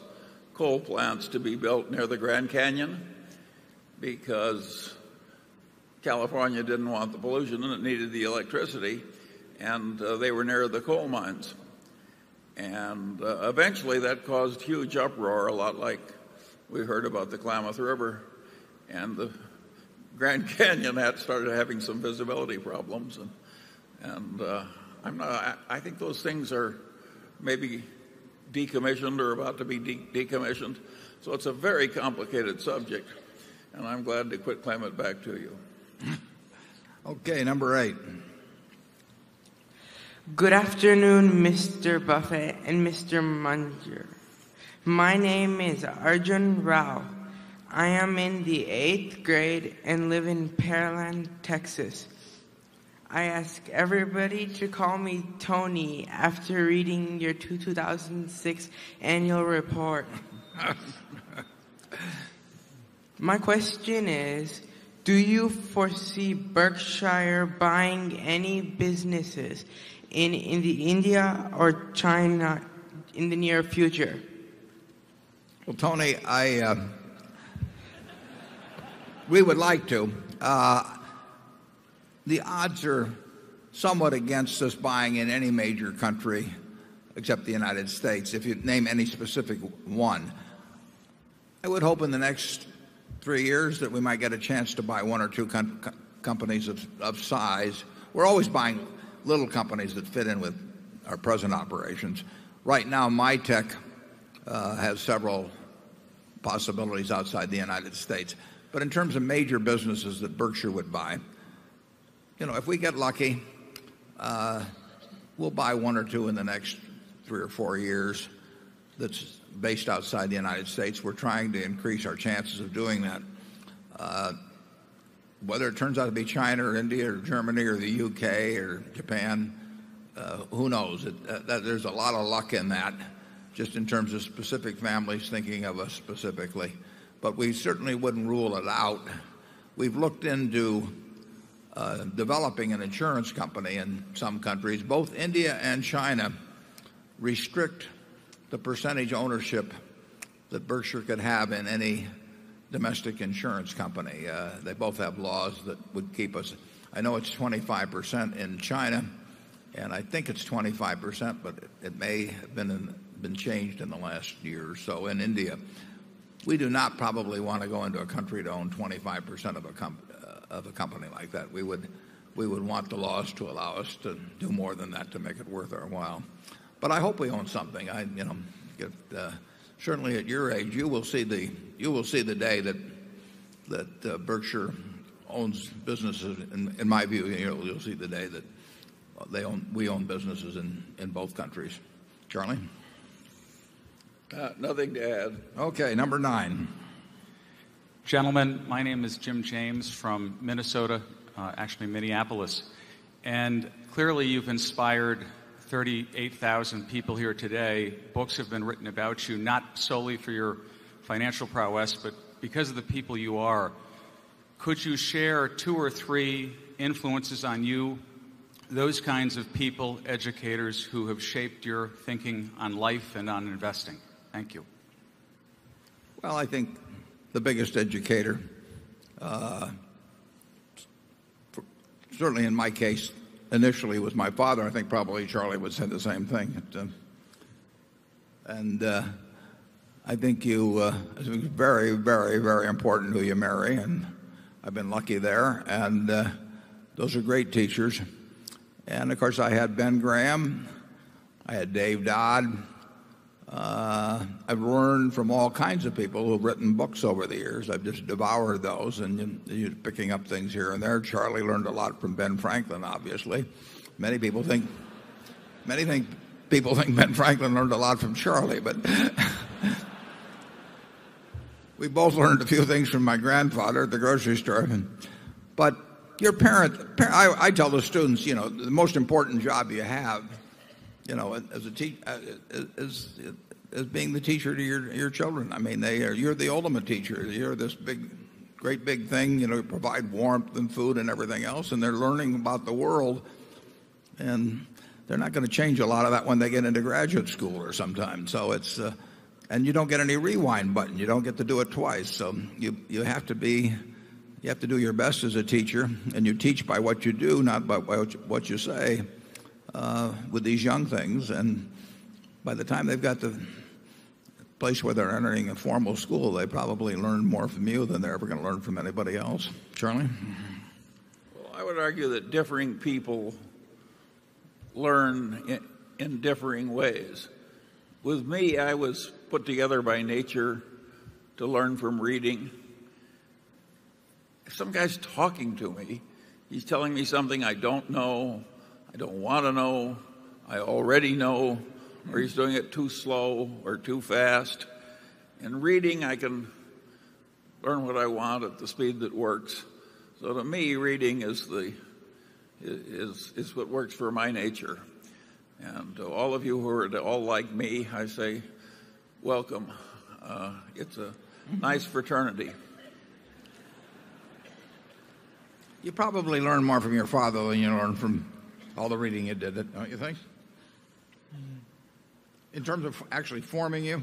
coal plants to be built near the Grand Canyon because California didn't want the pollution and it needed the electricity and they were near the coal mines. And eventually, that caused huge uproar a lot like we heard about the Klamath River and the Grand Canyon that started having some visibility problems. And I think those things are maybe decommissioned or about to be decommissioned. So it's a very complicated subject. And I'm glad to quit claiming back to you. Okay. Number 8. Good afternoon, Mr. Buffet and Mr. Munger. My name is Arjun Rao. I am in the 8th grade and live in Pearland, Texas. I ask everybody to call me Tony after reading your 2, 2006 annual report. My question is, do you foresee Berkshire buying any businesses in the India or China in the near future? Well, Tony, I we would like to. The odds are somewhat against us buying in any major country except the United States, if you'd name any specific one. I would hope in the next 3 years that we might get a chance to buy 1 or 2 companies of size. We're always buying little companies that fit in with our present operations. Right now, Mitek has several possibilities outside the United States. But in terms of major businesses that Berkshire would buy, if we get lucky, we'll buy 1 or 2 in the next 3 or 4 years. That's based outside the United States. We're trying to increase our chances of doing that. Whether it turns out to be China or India or Germany or the UK or Japan, who knows? There's a lot of luck in that just in terms of specific families thinking of us specifically. But we certainly wouldn't rule it out. We've looked into developing an insurance company in some countries. Both India and China restrict the percentage ownership that Berkshire could have in any domestic insurance company. They both have laws that would keep us. I know it's 25% in China, and I think it's 25%, but it may have been changed in the last year or so. In India, we do not probably want to go into a country to own 25 percent of a company like that. We would want the loss to allow us to do more than that to make it worth our while. But I hope we own something. Certainly at your age, you will see the day that Berkshire owns businesses. In my view, you'll see the day that they own we own businesses in both countries. Charlie? Nothing to add. Okay. Number 9. Gentlemen, my name is Jim James from Minnesota, actually Minneapolis. And clearly, you've inspired 38,000 people here today. Books have been written about you, not solely for your financial prowess, but because of the people you are, could you share 2 or 3 influences on you, those kinds of people, educators who have shaped your thinking on life and on investing? Thank you. Well, I think the biggest educator, certainly in my case, initially it was my father. I think probably Charlie would say the same thing. And I think you very, very, very important to you, Mary, and I've been lucky there. And those are great teachers. And of course, I had Ben Graham. I had Dave Dodd. I've learned from all kinds of people who have written books over the years. I just devoured those and picking up things here and there. Charlie learned a lot from Ben Franklin, obviously. Many people think many think people think Ben Franklin learned a lot from Charlie, but we both learned a few things from my grandfather at the grocery store. But your parent, I tell the students, you know, the most important job you have, you know, as a teacher, as being the teacher to your children. I mean, they are you're the ultimate teacher. You're this big, great big thing, you know, provide warmth and food and everything else and they're learning about the world. And they're not going to change a lot of that when they get into graduate school or sometimes. So it's and you don't get any rewind button. You don't get to do it twice. So you have to be you have to do your best as a teacher and you teach by what you do not by what you say with these young things. And by the time they've got to a place where they're entering a formal school, they probably learn more from you than they're ever going to learn from anybody else. Charlie? Well, I would argue that differing people learn in differing ways. With me, I was put together by nature to learn from reading. Some guy is talking to me. He's telling me something I don't know. I don't want to know. I already know or he's doing it too slow or too fast. And reading, I can learn what I want at the speed that works. So to me, reading is what works for my nature. And all of you who are all like me, I say welcome. It's a nice fraternity. You probably learn more from your father than you learned from all the reading you did, don't you? Thanks. In terms of actually forming you?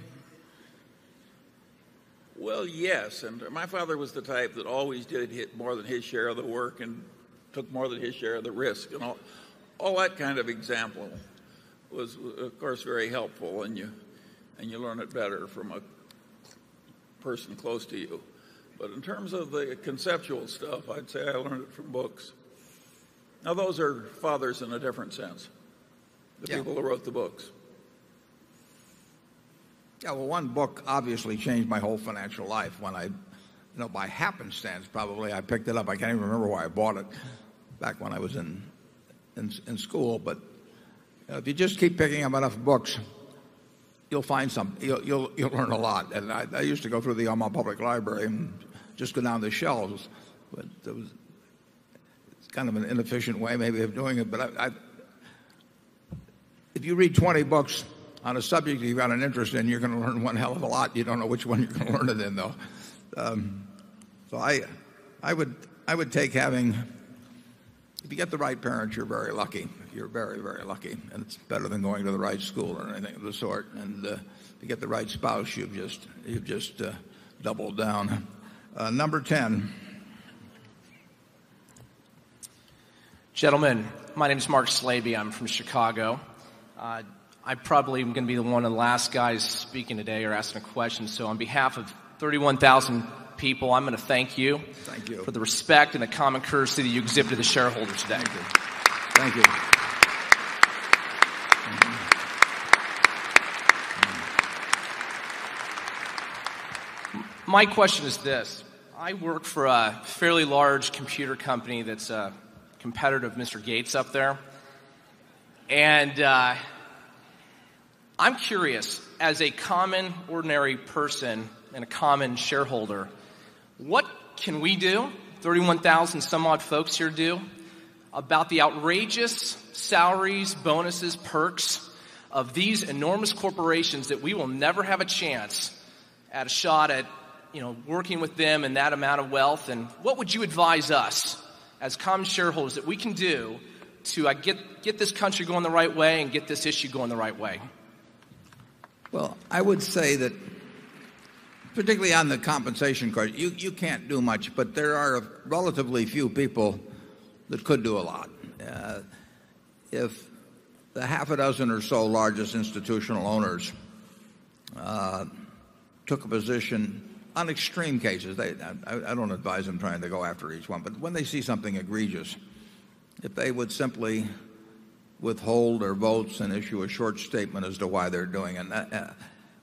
Well, yes. And my father was the type always did hit more than his share of the work and took more than his share of the risk. All that kind of example was, of course, very helpful and you learn it better from a person close to you. But in terms of the conceptual stuff, I'd say I learned it from books. Now those are fathers in a different sense. The people who wrote the books. Yes. Well, one book obviously changed my whole financial life. When I by happenstance probably I picked it up. I can't even remember why I bought it back when I was in school. But if you just keep picking up enough books, you'll find some. You'll learn a lot. And I used to go through the Ama Public Library and just go down the shelves. But it's kind of an inefficient way maybe of doing it. But if you read 20 books on a subject you've got an interest in, you're going to learn 1 hell of a lot. You don't know which one you can learn it in though. So I would take having if you get the right parents you're very lucky. You're very, very lucky and it's better than going to the right school or anything of the sort. And to get the right spouse you've just doubled down. Number 10. Gentlemen, my name is Mark Slaby. I'm from Chicago. I probably am going to be the one of the last guys speaking today or asking a question. So on behalf of 31,000 people, I'm going to thank you for the respect and the common courtesy that you exhibit to the shareholders today. Thank you. My question is this. I work for a fairly large computer company that's a competitive Mr. Gates up there. And I'm curious, as a common ordinary person and a common shareholder, what can we do, 31,000 some odd folks here do, about the outrageous salaries, bonuses, perks of these enormous corporations that we will never have a chance at a shot at working with them and that amount of wealth and what would you advise us as common shareholders that we can do to get this country going the right way and get this issue going the right way? Well, I would say that particularly on the compensation card, you can't do much, but there are relatively few people that could do a lot. If the half a dozen or so largest institutional owners took a position on extreme cases, I don't advise them trying to go after each one. But when they see something egregious, if they would simply withhold their votes and issue a short statement as to why they're doing it,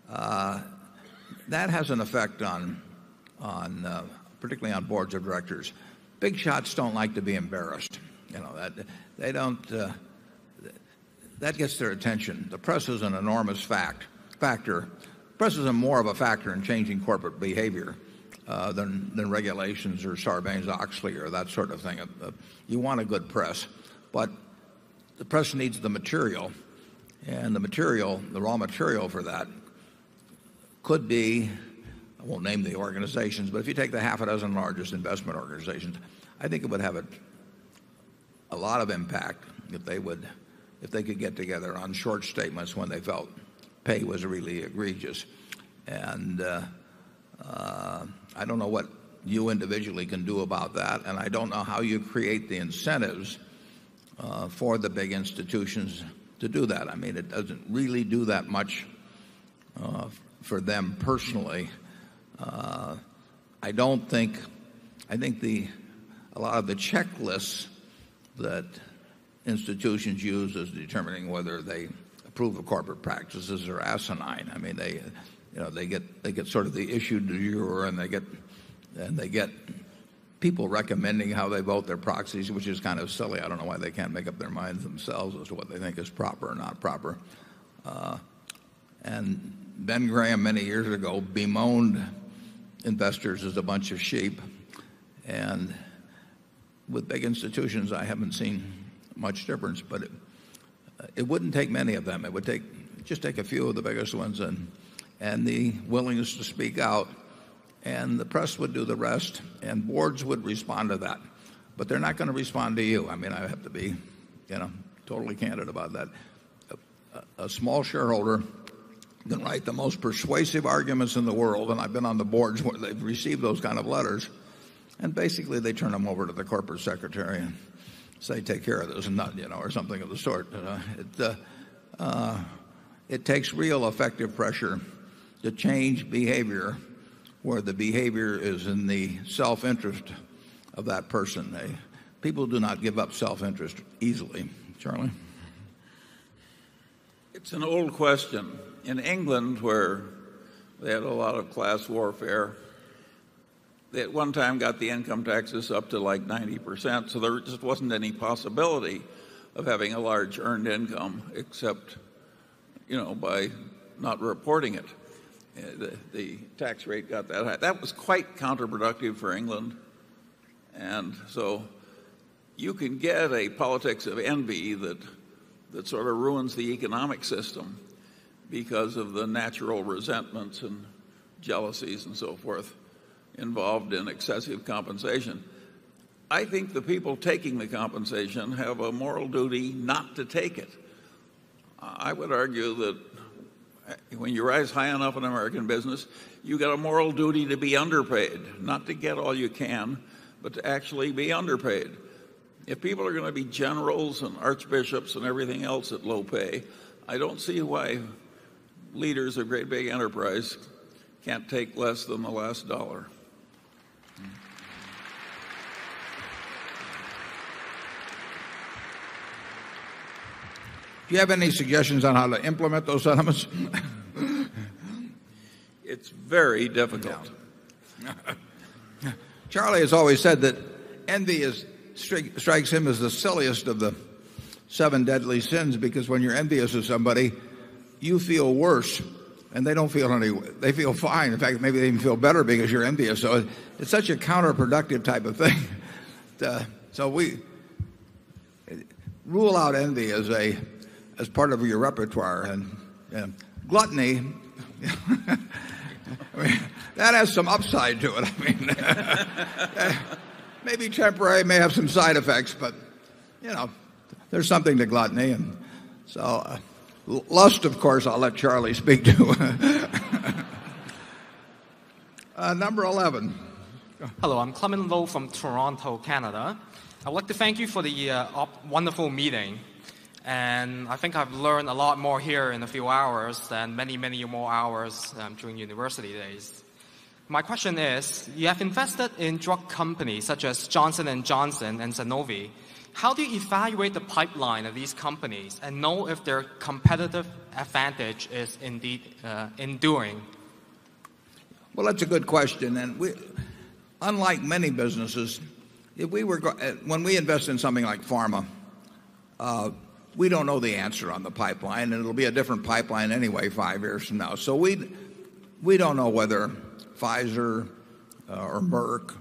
that has an effect on particularly on Boards of Directors. Big shots don't like to be embarrassed. They don't that gets their attention. The press is an enormous fact factor. Press is a more of a factor in changing corporate behavior than regulations or Sarbanes Oxley or that sort of thing. You want a good press, but the press needs the material and the material, the raw material for that could be, I won't name the organizations, but if you take the half a dozen largest investment organizations, I think it would have a lot of impact if they would if they could get together on short statements when they felt pay was really egregious. And I don't know what you individually can do about that. And I don't know how you create the incentives for the big institutions to do that. I mean, it doesn't really do that much for them personally. I don't think I think the a lot of the checklists that institutions use is determining whether they approve of corporate practices or asinine. I mean, they get sort of the issue to your end, they get people recommending how they vote their proxies, which is kind of silly. I don't know why they can't make up their minds themselves as to what they think is proper or not proper. And Ben Graham many years ago bemoaned investors as a bunch of sheep. And with big institutions, I haven't seen much difference, but it wouldn't take many of them. It would take just take a few of the biggest ones and the willingness to speak out and the press would do the rest and boards would respond to that. But they're not going to respond to you. I mean, I have to be totally candid about that. A small shareholder can write the most persuasive arguments in the world and I've been on the boards where they've received those kind of letters And basically, they turn them over to the corporate secretary and say take care of those or something of the sort. It takes real effective pressure to change behavior where the behavior is in the self interest of that person. People do not give up self interest easily. Charlie? It's an old question. In England where they had a lot of class warfare, they at one time got the income taxes up to like 90%. So there just wasn't any possibility of having a large earned income except by not reporting it. The tax rate got that high. That was quite counterproductive for England. And so you can get a politics of envy that sort of ruins the economic system because of the natural resentments and jealousies and so forth involved in excessive compensation. I think the people taking the compensation have a moral duty not to take it. I would argue that when you rise high enough in American business, you got a moral duty to be underpaid, not to get all you can, but to actually be underpaid. If people are going to be generals and archbishops and everything else at low pay, I don't see why leaders of great big enterprise can't take less than the last dollar. Do you have any suggestions on how to implement those? It's very difficult. Charlie has always said that envy is strikes him as the silliest of the 7 deadly sins because when you're envious of somebody, you feel worse and they don't feel any they feel fine. In fact, maybe they even feel better because you're envious. So it's such a counterproductive type of thing. So we rule out envy as a as part of your repertoire. And and gluttony, that has some upside to it. I mean, maybe temporary may have some side effects, but there's something to gluttony. And so lust, of course, I'll let Charlie speak to. Number 11. Hello, I'm Clement Lo from Toronto, Canada. I'd like to thank you for the wonderful meeting. And I think I've learned a lot more here in a few hours and many, many more hours during university days. My question is, you have invested in drug companies such as Johnson and Johnson and Sanofi. How do you evaluate the pipeline of these companies and know if their competitive advantage is indeed enduring? Well, that's a good question. And unlike many businesses, if we were when we invest in something like pharma, we don't know the answer on the pipeline and it will be a different pipeline anyway 5 years from now. So we don't know whether Pfizer or Merck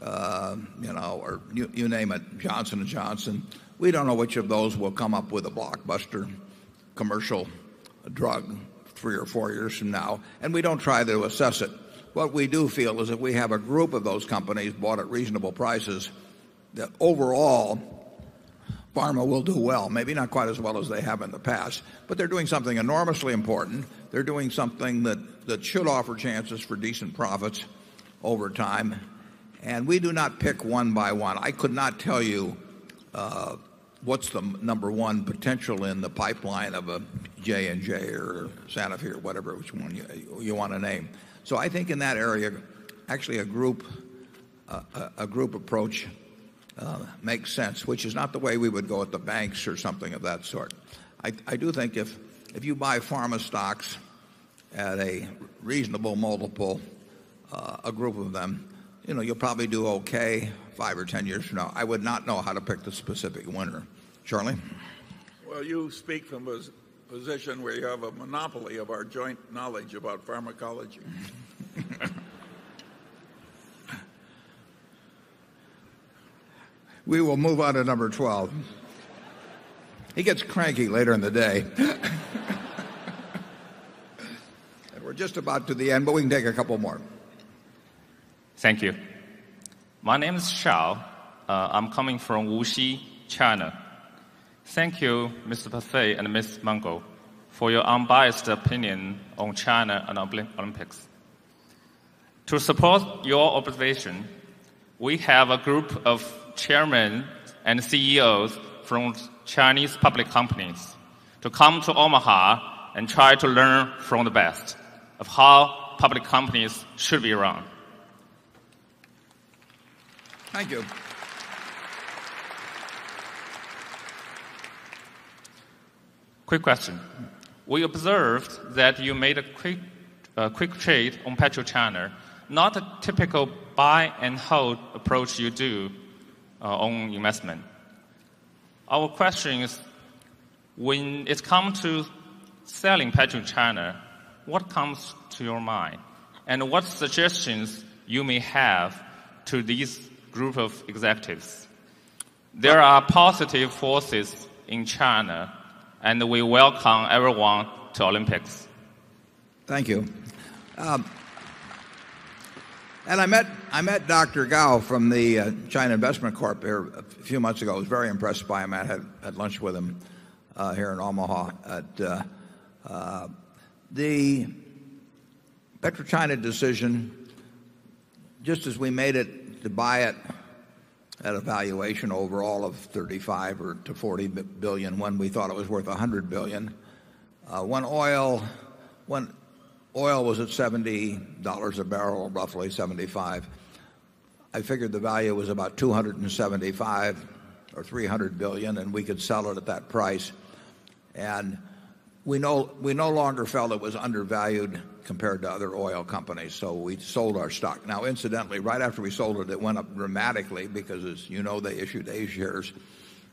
or you name it, Johnson and Johnson, we don't know which of those will come up with a blockbuster commercial drug 3 or 4 years from now, and we don't try to assess it. What we do feel is that we have a group of those companies bought at reasonable prices that overall pharma will do well, maybe not quite as well as they have in the past, but they're doing something enormously important. They're doing something that should offer chances for decent profits over time. And we do not pick 1 by 1. I could not tell you what's the number one potential in the pipeline of a J and J or Sanofi or whatever which one you want to name. So I think in that area actually a group approach makes sense which is not the way we would go at the banks or something of that sort. I do think if you buy pharma stocks at a reasonable multiple, a group of them, you'll probably do okay 5 or 10 years from now. I would not know how to pick the specific winner. Charlie? Well, you speak from a position where you have a monopoly of our joint knowledge about pharmacology. We will move on to number 12. He gets cranky later in the day. And we're just about to the end, but we can take a couple more. Thank you. My name is Shao. I'm coming from Wuxi, China. Thank you, Mr. Pasei and Ms. Mango for your unbiased opinion on China and Olympics. To support your observation, we have a group of Chairman and CEOs from Chinese public companies to come to Omaha and try to learn from the best of how public companies should be run. Thank you. Quick question. We observed that you made a quick trade on PetroChina, not a typical buy and hold approach you do on investment. Our question is, when it comes to selling Petron China, what comes to your mind? And what suggestions you may have to these group of executives? There are positive forces in China and we welcome everyone to Olympics. Thank you. And I met I met Doctor. Gao from the China Investment Corp. Here a few months ago. I was very impressed by him. I had lunch with him here in Omaha. The PetroChina decision, just as we made it to buy it at a valuation overall of $35,000,000,000 to $40,000,000,000 when we thought it was worth $100,000,000,000 when oil was at $70 a barrel, roughly $75 I figured the value was about $275 or $300,000,000,000 and we could sell it at that price. And we no longer felt it was undervalued compared to other oil companies, So we sold our stock. Now incidentally, right after we sold it, it went up dramatically because as you know, they issued Asia's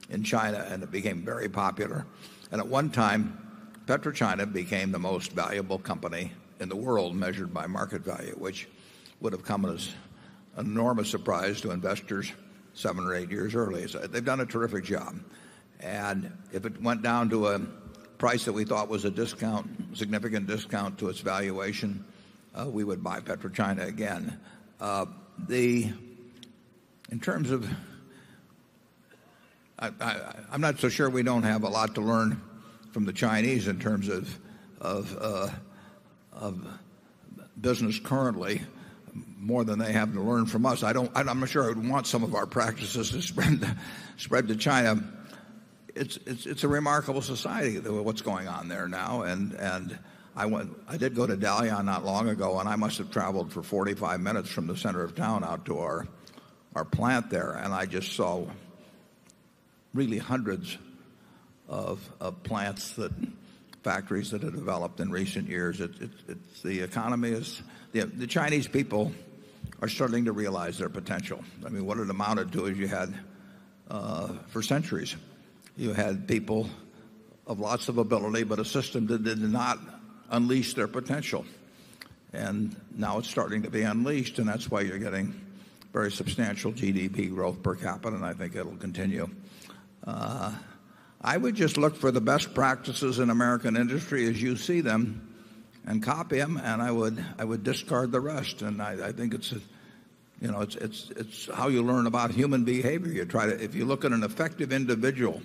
in China and it became very popular. And at one time, PetroChina became the most valuable company in the world measured by market value, which would have come as enormous surprise to investors 7 or 8 years early. So they've done a terrific job. And if it went down to a price that we thought was a discount, significant discount to its valuation, we would buy PetroChina again. The in terms of I'm not so sure we don't have a lot to learn from the Chinese in terms of of business currently more than they have to learn from us. I don't I'm not sure I would want some of our practices to spread to China. It's a remarkable society what's going on there now. And I went I did go to Dalian not long ago, and I must have traveled for 45 minutes from the center of town outdoor our plant there. And I just saw really hundreds of plants that factories that have developed in recent years. It's the economy is the Chinese people are starting to realize their potential. I mean, what it amounted to is you had for centuries? You had people of lots of ability, but a system that did not unleash their potential. And now it's starting to be unleashed and that's why you're getting very substantial GDP growth per capita and I think it will continue. I would just look for the best practices in American industry as you see them and copy them and I would discard the rest. And I think you know, it's how you learn about human behavior. You try to if you look at an effective individual,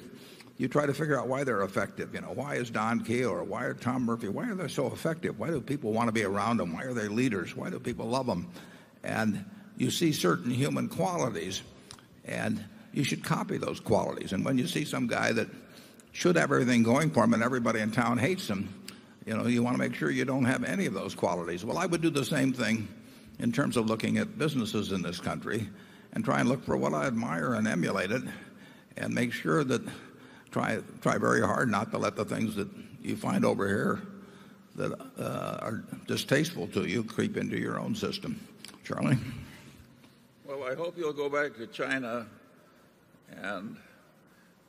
you try to figure out why they're effective. You know, why is Don Key or why Tom Murphy? Why are they so effective? Why do people want to be around them? Why are they leaders? Why do people love them? And you see certain human qualities and you should copy those qualities. And when you see some guy that should have everything going for him and everybody in town hates him, know, you want to make sure you don't have any of those qualities. Well, I would do the same thing in terms of looking at businesses in this country and try and look for what I admire and emulate it and make sure that try very hard not to let the things that you find over here that are distasteful to you creep into your own system. Charlie? Well, I hope you'll go back to China and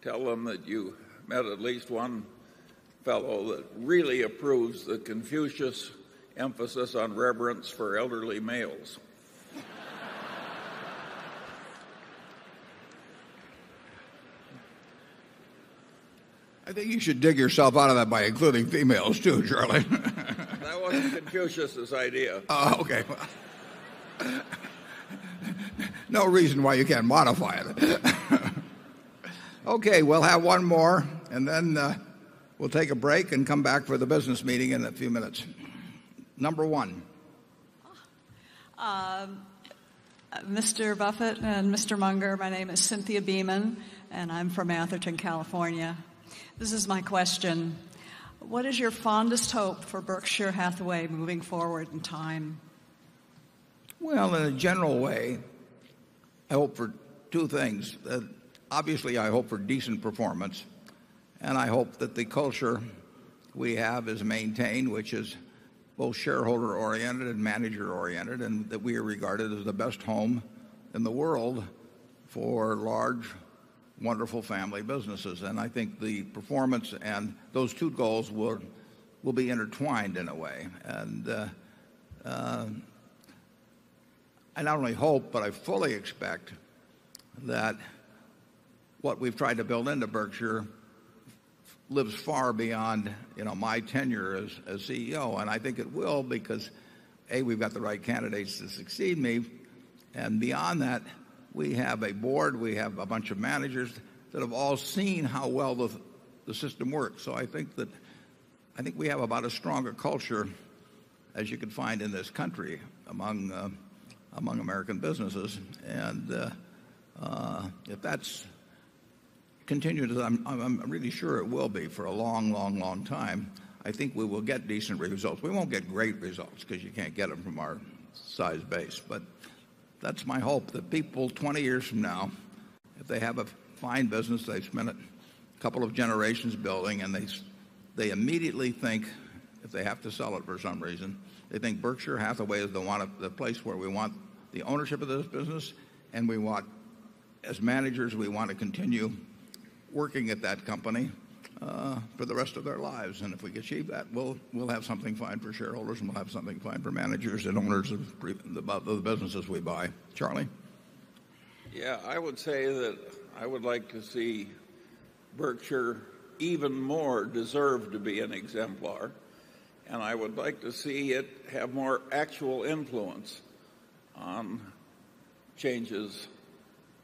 tell them that you met at least one fellow that really approves the Confucius emphasis on reverence for elderly males. I think you should dig yourself out of that by including females too, Okay. We'll have one more and then we'll take a break and come back for the business meeting in a few minutes. Number 1? Mr. Buffet and Mr. Munger, my name is Cynthia Beaman and I'm from Atherton, California. This is my question. What is your fondest hope for Berkshire Hathaway moving forward in time? Well, in a general way, I hope for 2 things. Obviously, I hope for decent performance. And I hope that the culture we have is maintained, which is both shareholder oriented and manager oriented and that we are regarded as the best home in the world for large, wonderful family businesses. And I think the performance and those two goals will be intertwined in a way. And I not only hope, but I fully expect that what we've tried to build into Berkshire lives far beyond my tenure as CEO. And I think it will because, A, we've got the right candidates to succeed me. And beyond that, we have a Board, we have a bunch of managers that have all seen how well the system works. So I think that I think we have about a stronger culture as you can find in this country among American businesses. And if that's continued, I'm really sure it will be for a long, long, long time. I think we will get decent results. We won't get great results because you can't get them from our size base. But that's my hope that people 20 years from now, if they have a fine business, they've spent a couple of generations building and they immediately think if they have to sell it for some reason, they think Berkshire Hathaway is the one of the place where we want the ownership of this business and we want as managers we want to continue working at that company for the rest of their lives. And if we achieve that, we'll have something fine for shareholders and we'll have something fine for managers and owners of the businesses we buy. Charlie? Yes. I would say that I would like to see Berkshire even more deserve to be an exemplar. And I would like to see it have more actual influence on changes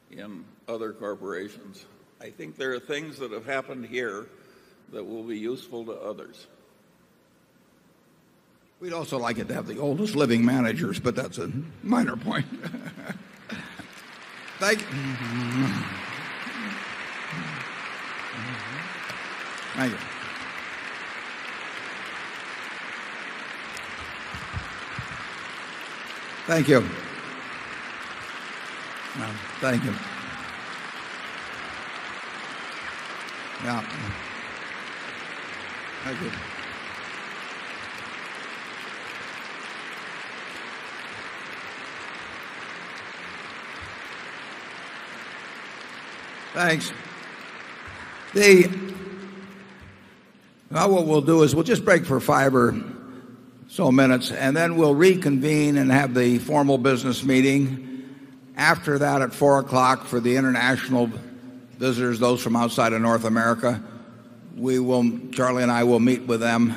in other corporations. I think there are things that have happened here that will be useful to others. We'd also like it to have the oldest living managers, but that's a minor point. Thanks. Now what we'll do is we'll just break for fiber so minutes and then we'll reconvene and have the formal business meeting. After that, at 4 for the international visitors, those from outside of North America. We will Charlie and I will meet with them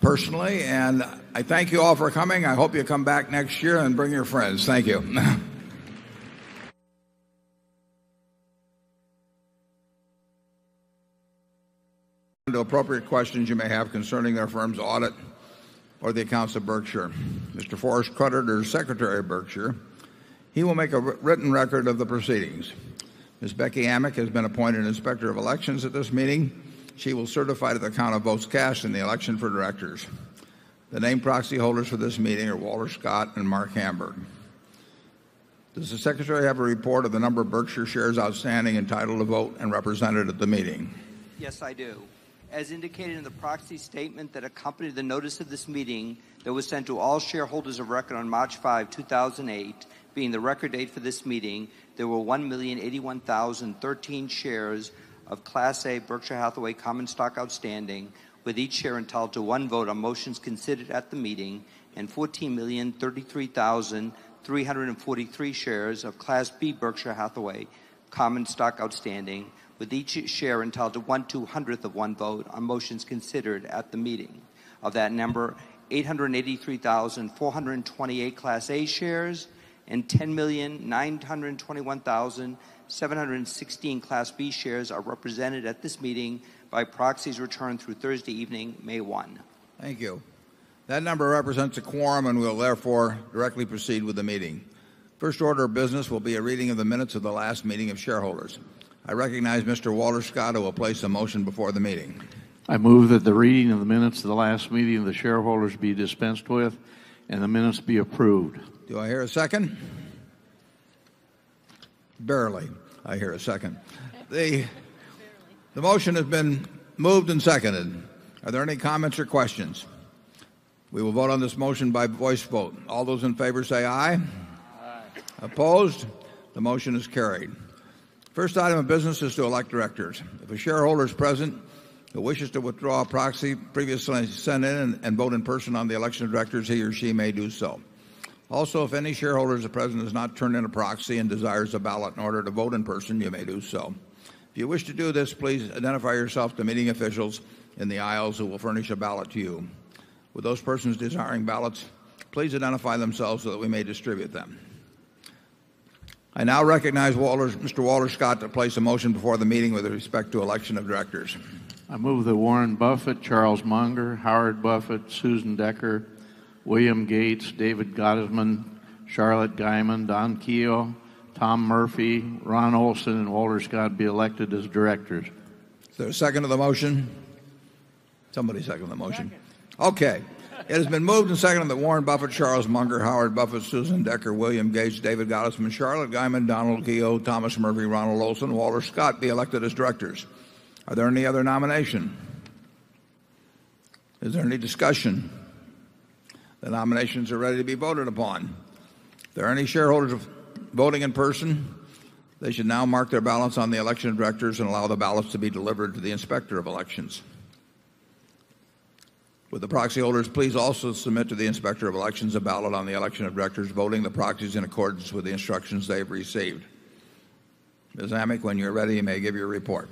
personally. And I thank you all for coming. I hope you come back next year and bring your friends. Thank you. The appropriate questions you may have concerning our firm's audit or the accounts of Berkshire. Mister Forrest Cruthers secretary Berkshire, he will make a written record of the proceedings. Miss Becky Hammack has been appointed Inspector of Elections at this meeting. She will certify to the account of votes cash in the election for directors. The named proxy holders for this meeting are Walter Scott and Mark Hamburg. Does the secretary have a report of the number of Berkshire shares outstanding entitled to vote and represented at the meeting? Yes, I do. As indicated in the proxy statement that accompany the notice of this meeting that was sent to all shareholders of record on March 5, 2008, being the record date for this meeting, there were 1,081,013 shares of Class A Berkshire Hathaway common stock outstanding with each share entitled to 1 vote on motions considered at the meeting and 14,033,343 shares of Class B Berkshire Hathaway common stock outstanding with each share entitled to 1 200th of 1 vote on motions considered at the meeting. Of that number, 883,428 Class A Shares and 10,921,000 716 Class B shares are represented at this meeting by proxies returned through Thursday evening, May 1. Thank you. That number represents a quorum and we'll therefore directly proceed with the meeting. First order of business will be a reading of the minutes of the last meeting of shareholders. I recognize Mr. Walter Scott who will place a motion before the meeting. I move that the reading of the minutes of the last meeting of the shareholders be dispensed with and the minutes be approved. Do I hear a second? Barely, I hear a second. The motion has been moved and seconded. Are there any comments or questions? We will vote on this motion by voice vote. All those in favor, say aye. Aye. Opposed? The motion is carried. First item of business is to elect directors. If a shareholder is present who wishes to withdraw a proxy previously in the Senate and vote in person on the election of directors, he or she may do so. Also, if any shareholders or president has not turned in a proxy and desires a ballot in order to vote in person, you may do so. If you wish to do this, please identify yourself to meeting officials in the aisles who will furnish a ballot to you. With those persons desiring ballots, please identify themselves so that we may distribute them. I now recognize Walter Mr. Walter Scott to place a motion before the meeting with respect to election of directors. I move that Warren Buffett, Charles Munger, Howard Buffett, Susan Decker, William Gates, David Gottesman, Charlotte Guymon, Don Kio, Tom Murphy, Ron Olson and Walter Scott be elected as directors. Is there a Charles Munger, Howard Buffett, Susan Decker, William Gage, David Gottesman, Charlotte, Guy Charles Munger, Howard Buffett, Susan Decker, William Gage, David Gollisman, Charlotte Guyman, Donald Guillot, Thomas Murphy, Ronald Olson, Walter Scott be elected as directors. Are there any other nomination? Is there any discussion? The nominations are ready to be voted upon. There are any shareholders voting in person. They should now mark their balance on the election of directors and allow the ballots to be delivered to the Inspector of Elections. With the proxy holders, please also submit to the Inspector of Elections a ballot on the election of directors voting the proxies in accordance with the instructions they have received. Ms. Amick, when you're ready, you may give your report.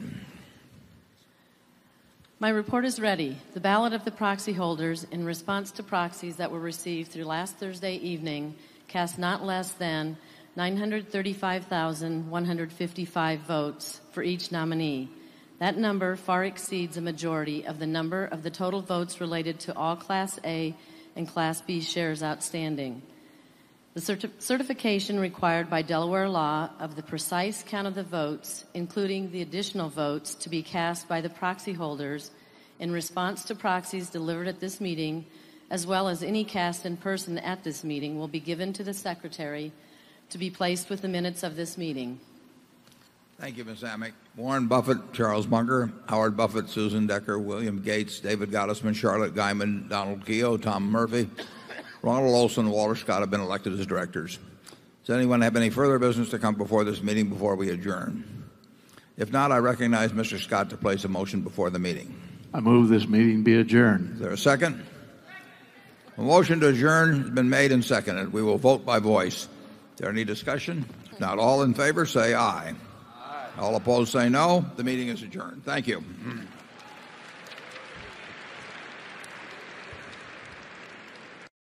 My report is ready. The ballot of the proxy holders in response to proxies that were received through last Thursday evening cast not less than 935,155 votes for each nominee. That number far exceeds a majority of the number of the total votes related to all Class A and Class B shares outstanding. The certification required by Delaware law of the precise count of the votes, including the additional votes to be cast by the proxy holders in response to proxies delivered at this meeting as well as any cast in person at this meeting will be given to the secretary to be placed with the minutes of this meeting. Thank you, Ms. Hammock. Warren Buffett, Charles Bunker, Howard Buffett, Susan Decker, William Gates, David Gottesman, Charlotte Guymon, Donald Guillot, Tom Murphy, Ronald Olson, Walter Scott have been elected as directors. Does anyone have any further business to come before this meeting before we adjourn? If not, I recognize Mr. Scott to place a motion before the meeting. I move this meeting be adjourned. Is there a second? A motion to adjourn has been made and seconded. We will vote by voice. Is there any discussion? If not, all in favor say aye. Aye. All opposed, say no. The meeting is adjourned. Thank you.